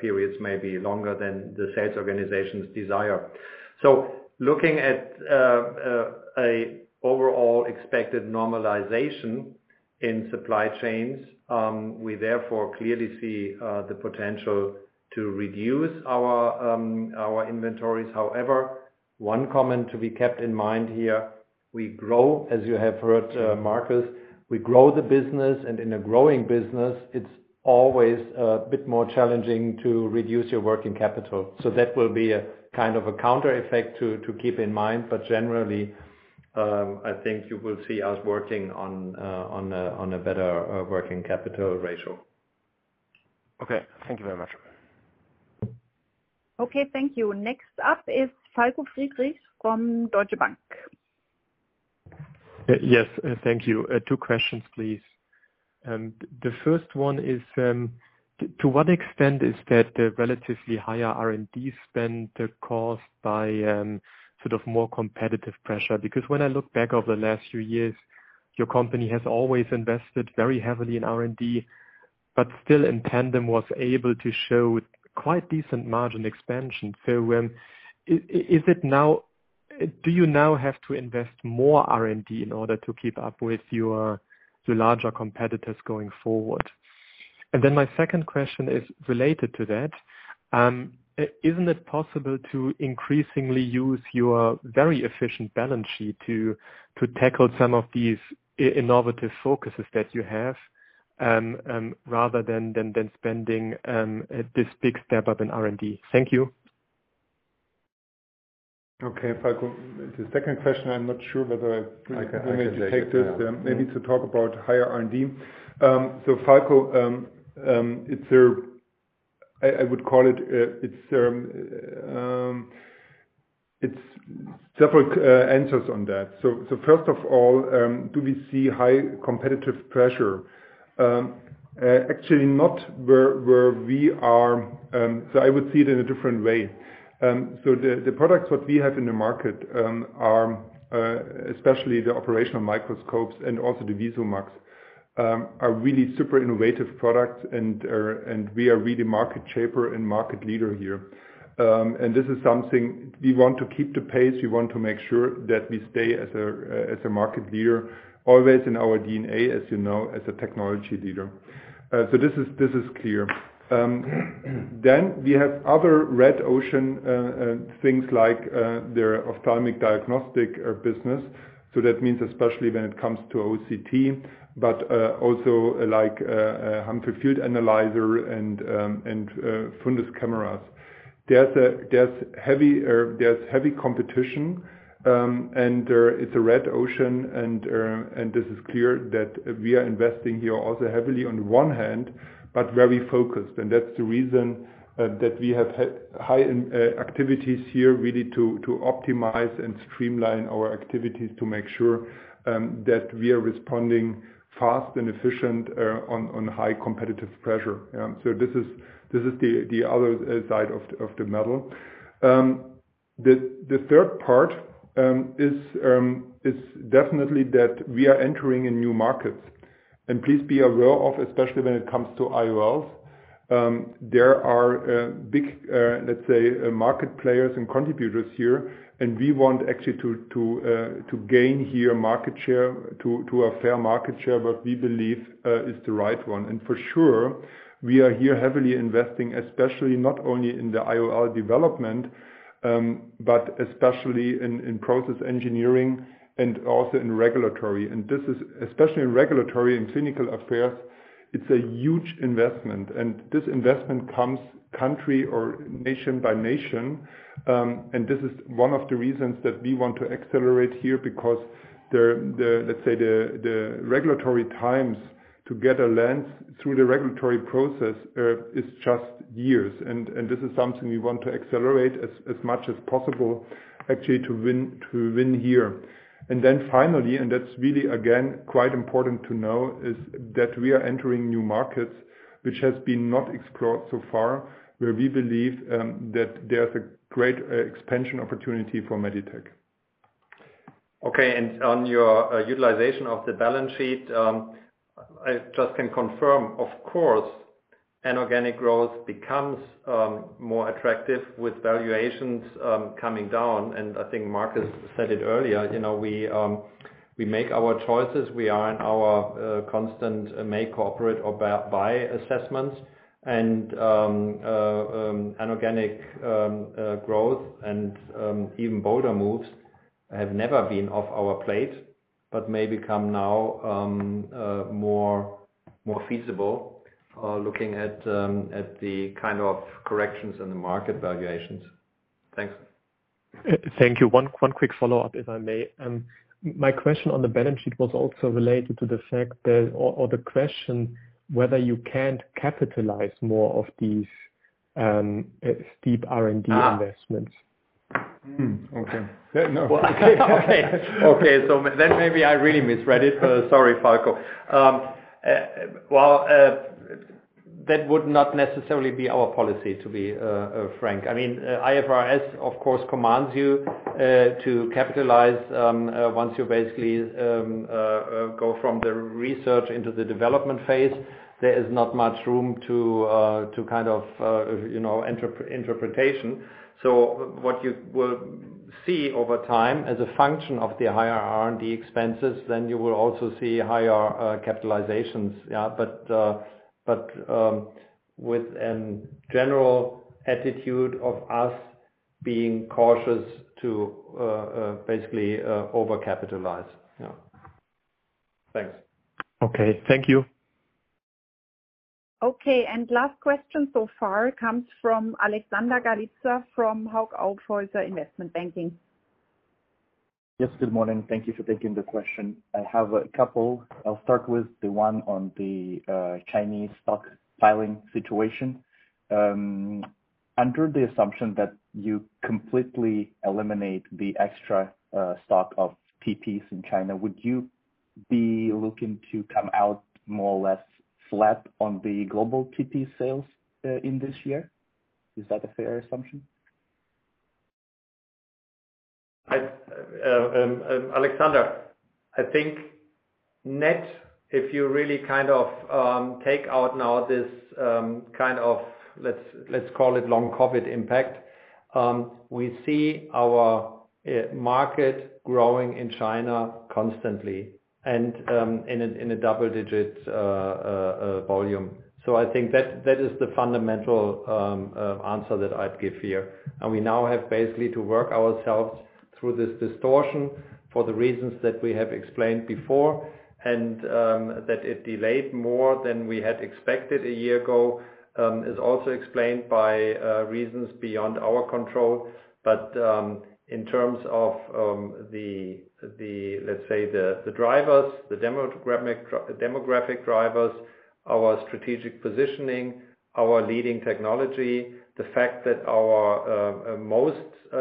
periods may be longer than the sales organization's desire. Looking at an overall expected normalization in supply chains, we therefore clearly see the potential to reduce our inventories. However, one comment to be kept in mind here, we grow, as you have heard, Markus, we grow the business, and in a growing business, it's always a bit more challenging to reduce your working capital. That will be a kind of a counter effect to keep in mind. Generally, I think you will see us working on a better working capital ratio. Okay. Thank you very much. Okay, thank you. Next up is Falko Friedrich from Deutsche Bank. Yes, thank you. Two questions, please. The first one is, to what extent is that the relatively higher R&D spend caused by, sort of more competitive pressure? Because when I look back over the last few years, your company has always invested very heavily in R&D, but still in tandem, was able to show quite decent margin expansion. Is it now-- Do you now have to invest more R&D in order to keep up with your, the larger competitors going forward? My second question is related to that. Isn't it possible to increasingly use your very efficient balance sheet to, to tackle some of these innovative focuses that you have, rather than, than, than spending, this big step up in R&D? Thank you. Okay, Falko. The second question, I'm not sure whether I- I can take it.... maybe to talk about higher R&D. Falko, it's, I, I would call it, it's, it's several answers on that. First of all, do we see high competitive pressure? Actually not where, where we are, I would see it in a different way. The, the products what we have in the market, are, especially the operational microscopes and also the VisuMax, are really super innovative products and, and we are really market shaper and market leader here. This is something we want to keep the pace, we want to make sure that we stay as a, as a market leader, always in our DNA, as you know, as a technology leader. This is, this is clear. We have other red ocean things like the ophthalmic diagnostic business. That means, especially when it comes to OCT, but also, like, Humphrey Field Analyzer and fundus cameras. There's heavy, there's heavy competition. It's a red ocean, and this is clear that we are investing here also heavily on one hand, but very focused. That's the reason that we have had high activities here, really to optimize and streamline our activities, to make sure that we are responding fast and efficient on high competitive pressure. This is, this is the other side of the medal. The third part is definitely that we are entering in new markets. Please be aware of, especially when it comes to IOLs, there are big, let's say, market players and contributors here, and we want actually to gain here market share, to a fair market share, what we believe is the right one. For sure, we are here heavily investing, especially not only in the IOL development, but especially in process engineering and also in regulatory. Especially in Regulatory and Clinical Affairs, it's a huge investment, and this investment comes country or nation by nation. This is one of the reasons that we want to accelerate here, because let's say, the regulatory times to get a lens through the regulatory process is just years. This is something we want to accelerate as, as much as possible, actually, to win, to win here. Finally, that's really, again, quite important to know, is that we are entering new markets which has been not explored so far, where we believe that there's a great expansion opportunity for Meditec. Okay. On your utilization of the balance sheet, I just can confirm, of course, an organic growth becomes more attractive with valuations coming down. I think Markus said it earlier, you know, we make our choices. We are in our constant make, operate, or buy assessments. An organic growth and even bolder moves have never been off our plate, but may become now more, more feasible looking at the kind of corrections in the market valuations. Thanks. Thank you. One, one quick follow-up, if I may. My question on the balance sheet was also related to the fact that, or, or the question whether you can't capitalize more of these, steep R&D investments? Ah! Hmm, okay. Yeah, no. Okay. Okay, maybe I really misread it. Sorry, Falko. Well, that would not necessarily be our policy, to be frank. I mean, IFRS, of course, commands you to capitalize once you basically go from the research into the development phase. There is not much room to kind of, you know, interpretation. What you will see over time, as a function of the higher R&D expenses, then you will also see higher capitalizations. Yeah, but with a general attitude of us being cautious to basically overcapitalize. Yeah. Thanks. Okay. Thank you. Okay, last question so far comes from Alexander Galitsa from Hauck Aufhäuser Investment Banking. Yes, good morning. Thank you for taking the question. I have a couple. I'll start with the one on the Chinese stock filing situation. Under the assumption that you completely eliminate the extra stock of TPs in China, would you be looking to come out more or less flat on the global TP sales in this year? Is that a fair assumption? Alexander, I think net, if you really kind of, take out now this, kind of, let's, let's call it long COVID impact, we see our market growing in China constantly and in a double digit volume. I think that, that is the fundamental answer that I'd give here. We now have basically to work ourselves through this distortion for the reasons that we have explained before. And that it delayed more than we had expected a year ago, is also explained by reasons beyond our control. In terms of the, the, let's say, the, the drivers, the demographic drivers, our strategic positioning, our leading technology, the fact that our most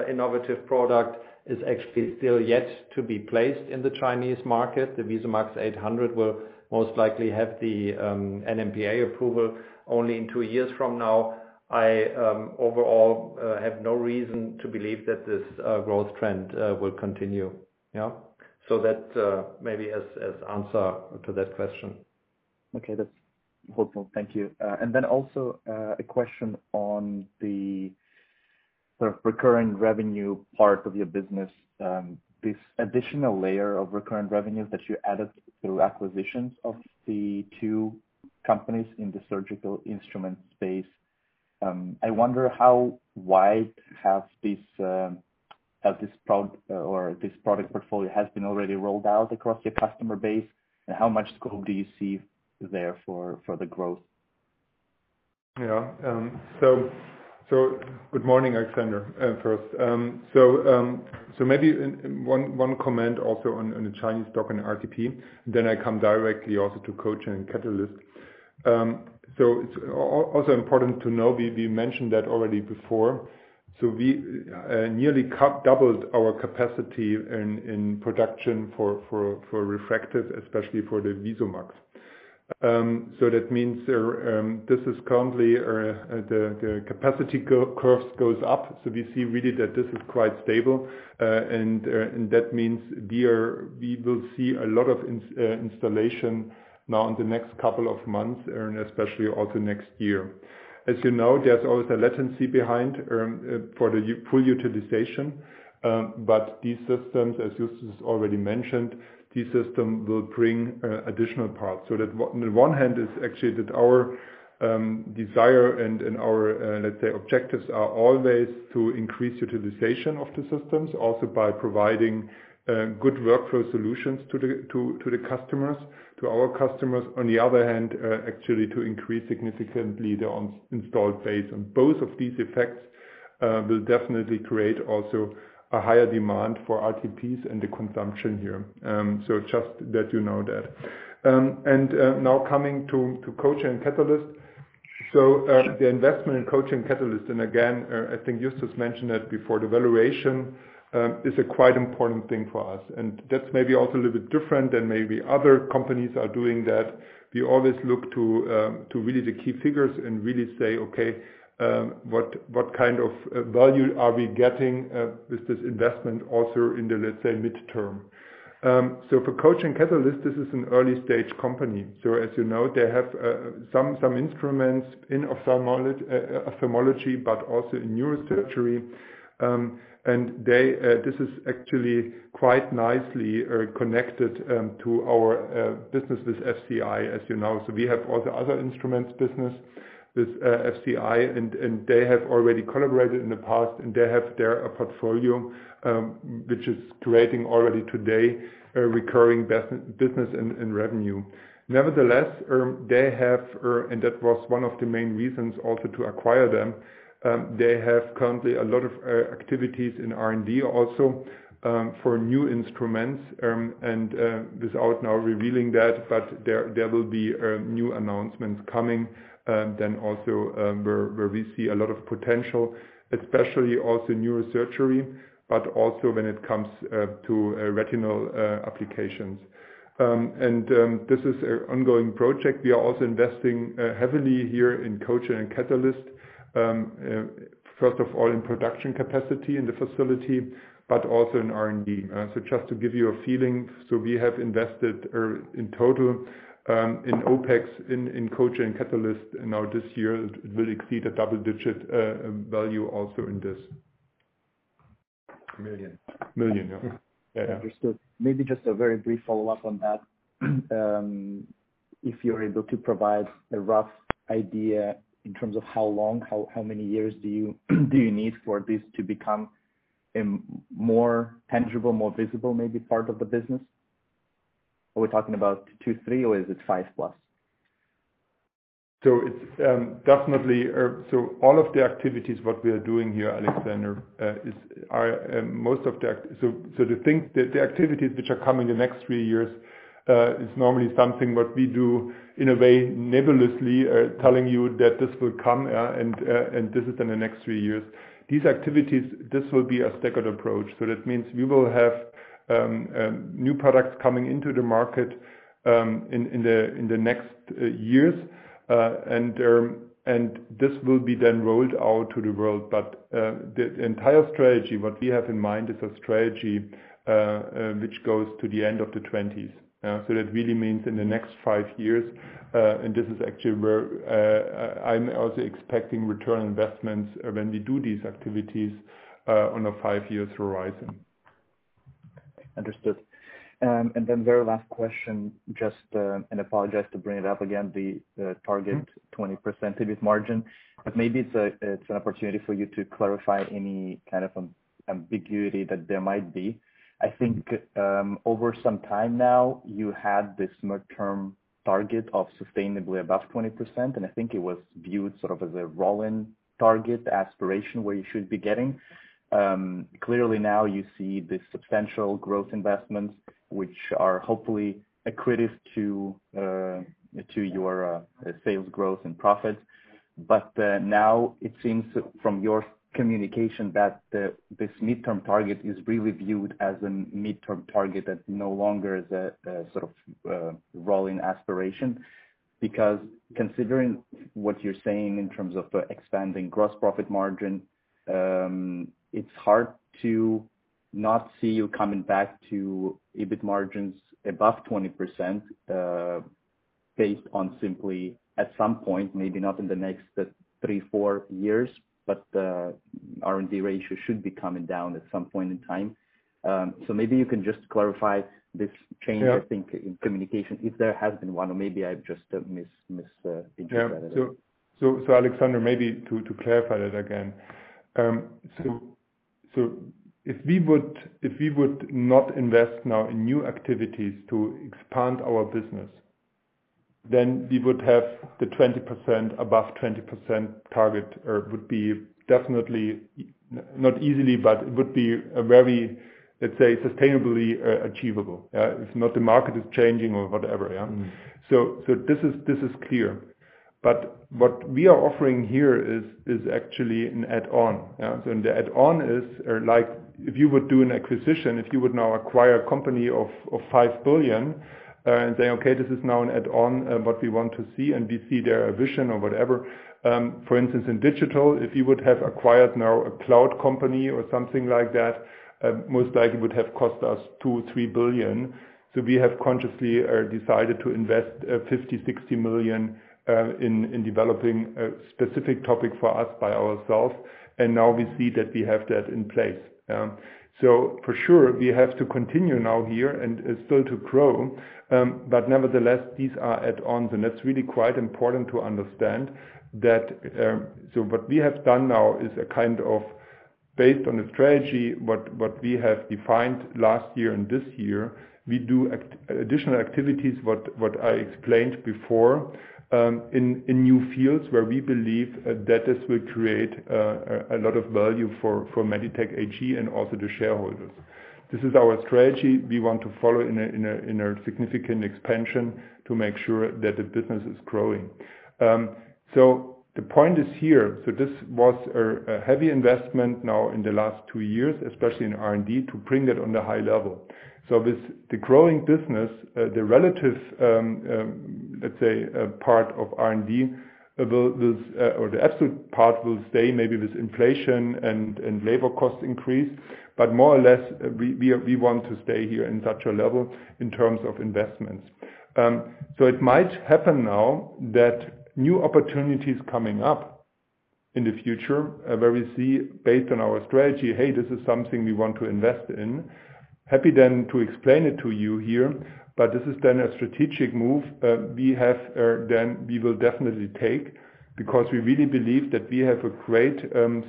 innovative product is actually still yet to be placed in the Chinese market. The VISUMAX 800 will most likely have the NMPA approval only in two years from now. I overall have no reason to believe that this growth trend will continue. Yeah. That, maybe as, as answer to that question. Okay, that's helpful. Thank you. Then also, a question on the sort of recurring revenue part of your business. This additional layer of recurring revenues that you added through acquisitions of the two companies in the surgical instrument space, I wonder how wide has this product portfolio has been already rolled out across your customer base, and how much scope do you see there for, for the growth? Yeah. Good morning, Alexander, first. Maybe one comment also on the Chinese stock and RTP, then I come directly also to Kogent and Katalyst. It's also important to know, we mentioned that already before, we nearly doubled our capacity in production for refractors, especially for the VisuMax. That means this is currently the capacity curves goes up. We see really that this is quite stable. And that means we will see a lot of installation now in the next couple of months, and especially also next year. As you know, there's always a latency behind for the full utilization. These systems, as Justus already mentioned, this system will bring additional parts. That on the one hand, is actually that our desire and our, let's say, objectives, are always to increase utilization of the systems, also by providing good workflow solutions to the customers, to our customers. On the other hand, actually to increase significantly the installed base. Both of these effects will definitely create also a higher demand for RTPs and the consumption here. Just that you know that. Now coming to Kogent and Katalyst. The investment in Kogent and Katalyst, again, I think Justus mentioned that before, the valuation is a quite important thing for us. That's maybe also a little bit different than maybe other companies are doing that. We always look to really the key figures and really say, "Okay, what, what kind of value are we getting with this investment also in the, let's say, midterm?" For Kogent and Katalyst, this is an early-stage company. As you know, they have some instruments in Ophthalmology, but also in neurosurgery. This is actually quite nicely connected to our business with FCI, as you know. We have all the other instruments business with FCI, and they have already collaborated in the past, and they have their portfolio, which is creating already today recurring business and revenue. Nevertheless, they have, and that was one of the main reasons also to acquire them, they have currently a lot of activities in R&D also for new instruments. Without now revealing that, but there, there will be new announcements coming then also where we see a lot of potential, especially also neurosurgery, but also when it comes to retinal applications. This is an ongoing project. We are also investing heavily here in Kogent and Katalyst, first of all, in production capacity in the facility, but also in R&D. Just to give you a feeling, so we have invested in total in OpEx, in Kogent and Katalyst, now this year, it will exceed a double-digit value also in this. Million. Million, yeah. Yeah, yeah. Understood. Maybe just a very brief follow-up on that. If you're able to provide a rough idea in terms of how long, how many years do you need for this to become a more tangible, more visible, maybe part of the business? Are we talking about two, three, or is it 5+? It's definitely... All of the activities, what we are doing here, Alexander, is, are, the activities which are coming in the next three years, is normally something what we do in a way, nebulously, telling you that this will come, and this is in the next three years. These activities, this will be a staggered approach. That means we will have new products coming into the market in the next years. This will be then rolled out to the world. The entire strategy, what we have in mind, is a strategy which goes to the end of the 2020s. That really means in the next five years, and this is actually where, I'm also expecting return on investments when we do these activities, on a five-year horizon. Understood. Then very last question, just, and apologize to bring it up again, the target 20% EBIT margin. Maybe it's an opportunity for you to clarify any kind of ambiguity that there might be. I think, over some time now, you had this midterm target of sustainably above 20%, and I think it was viewed sort of as a rolling target, aspiration, where you should be getting. Clearly, now you see the substantial growth investments, which are hopefully accretive to your sales growth and profit. Now it seems from your communication that this midterm target is really viewed as a midterm target, that no longer is a sort of rolling aspiration. Considering what you're saying in terms of the expanding gross profit margin, it's hard to not see you coming back to EBIT margins above 20%, based on simply at some point, maybe not in the next three, four years, but the R&D ratio should be coming down at some point in time. Maybe you can just clarify this change. Yeah. I think, in communication, if there has been one, or maybe I've just missed, into that. Yeah. So, so Alexander, maybe to, to clarify that again. So, so if we would, if we would not invest now in new activities to expand our business, then we would have the 20%, above 20% target, would be definitely, not easily, but it would be a very, let's say, sustainably, achievable. If not, the market is changing or whatever, yeah. Mm-hmm. This is, this is clear. What we are offering here is, is actually an add-on. The add-on is, or like, if you would do an acquisition, if you would now acquire a company of 5 billion and say, "Okay, this is now an add-on, but we want to see and we see their vision or whatever." For instance, in digital, if you would have acquired now a cloud company or something like that, most likely would have cost us 2 billion-3 billion. We have consciously decided to invest 50 million-60 million in developing a specific topic for us by ourselves. Now we see that we have that in place. For sure, we have to continue now here and still to grow. Nevertheless, these are add-ons, and that's really quite important to understand that. What we have done now is a kind of based on the strategy, what we have defined last year and this year, we do additional activities, what I explained before, in new fields, where we believe that this will create a lot of value for Meditec AG and also the shareholders. This is our strategy. We want to follow in a significant expansion to make sure that the business is growing. The point is here. This was a heavy investment now in the last two years, especially in R&D, to bring that on the high level. With the growing business, the relative, let's say, part of R&D, will, this, or the absolute part will stay, maybe with inflation and, and labor cost increase, but more or less, we, we, we want to stay here in such a level in terms of investments. It might happen now that new opportunities coming up in the future, where we see based on our strategy, "Hey, this is something we want to invest in." Happy then to explain it to you here, but this is then a strategic move, we have, then we will definitely take, because we really believe that we have a great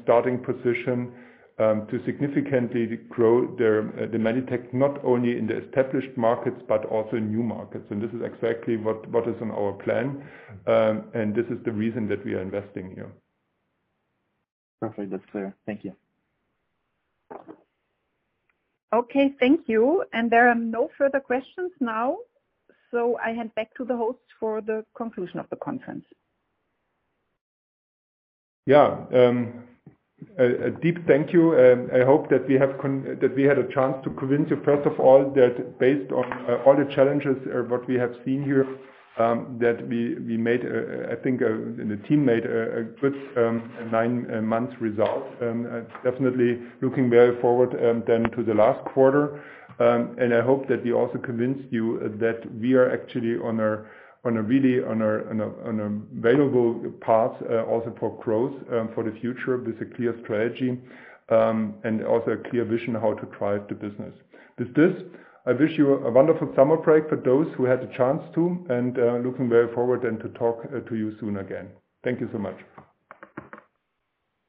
starting position, to significantly grow the Meditec, not only in the established markets, but also in new markets. This is exactly what, what is in our plan, and this is the reason that we are investing here. Perfect. That's clear. Thank you. Okay, thank you. There are no further questions now. I hand back to the host for the conclusion of the conference. Yeah, a deep thank you. I hope that we had a chance to convince you, first of all, that based on all the challenges what we have seen here, that we, we made, I think, and the team made a good nine-month result. Definitely looking very forward then to the last quarter. I hope that we also convinced you that we are actually on a really, on a, on a, on a valuable path also for growth for the future. With a clear strategy and also a clear vision how to drive the business. With this, I wish you a wonderful summer break for those who had the chance to, and looking very forward then to talk to you soon again. Thank you so much.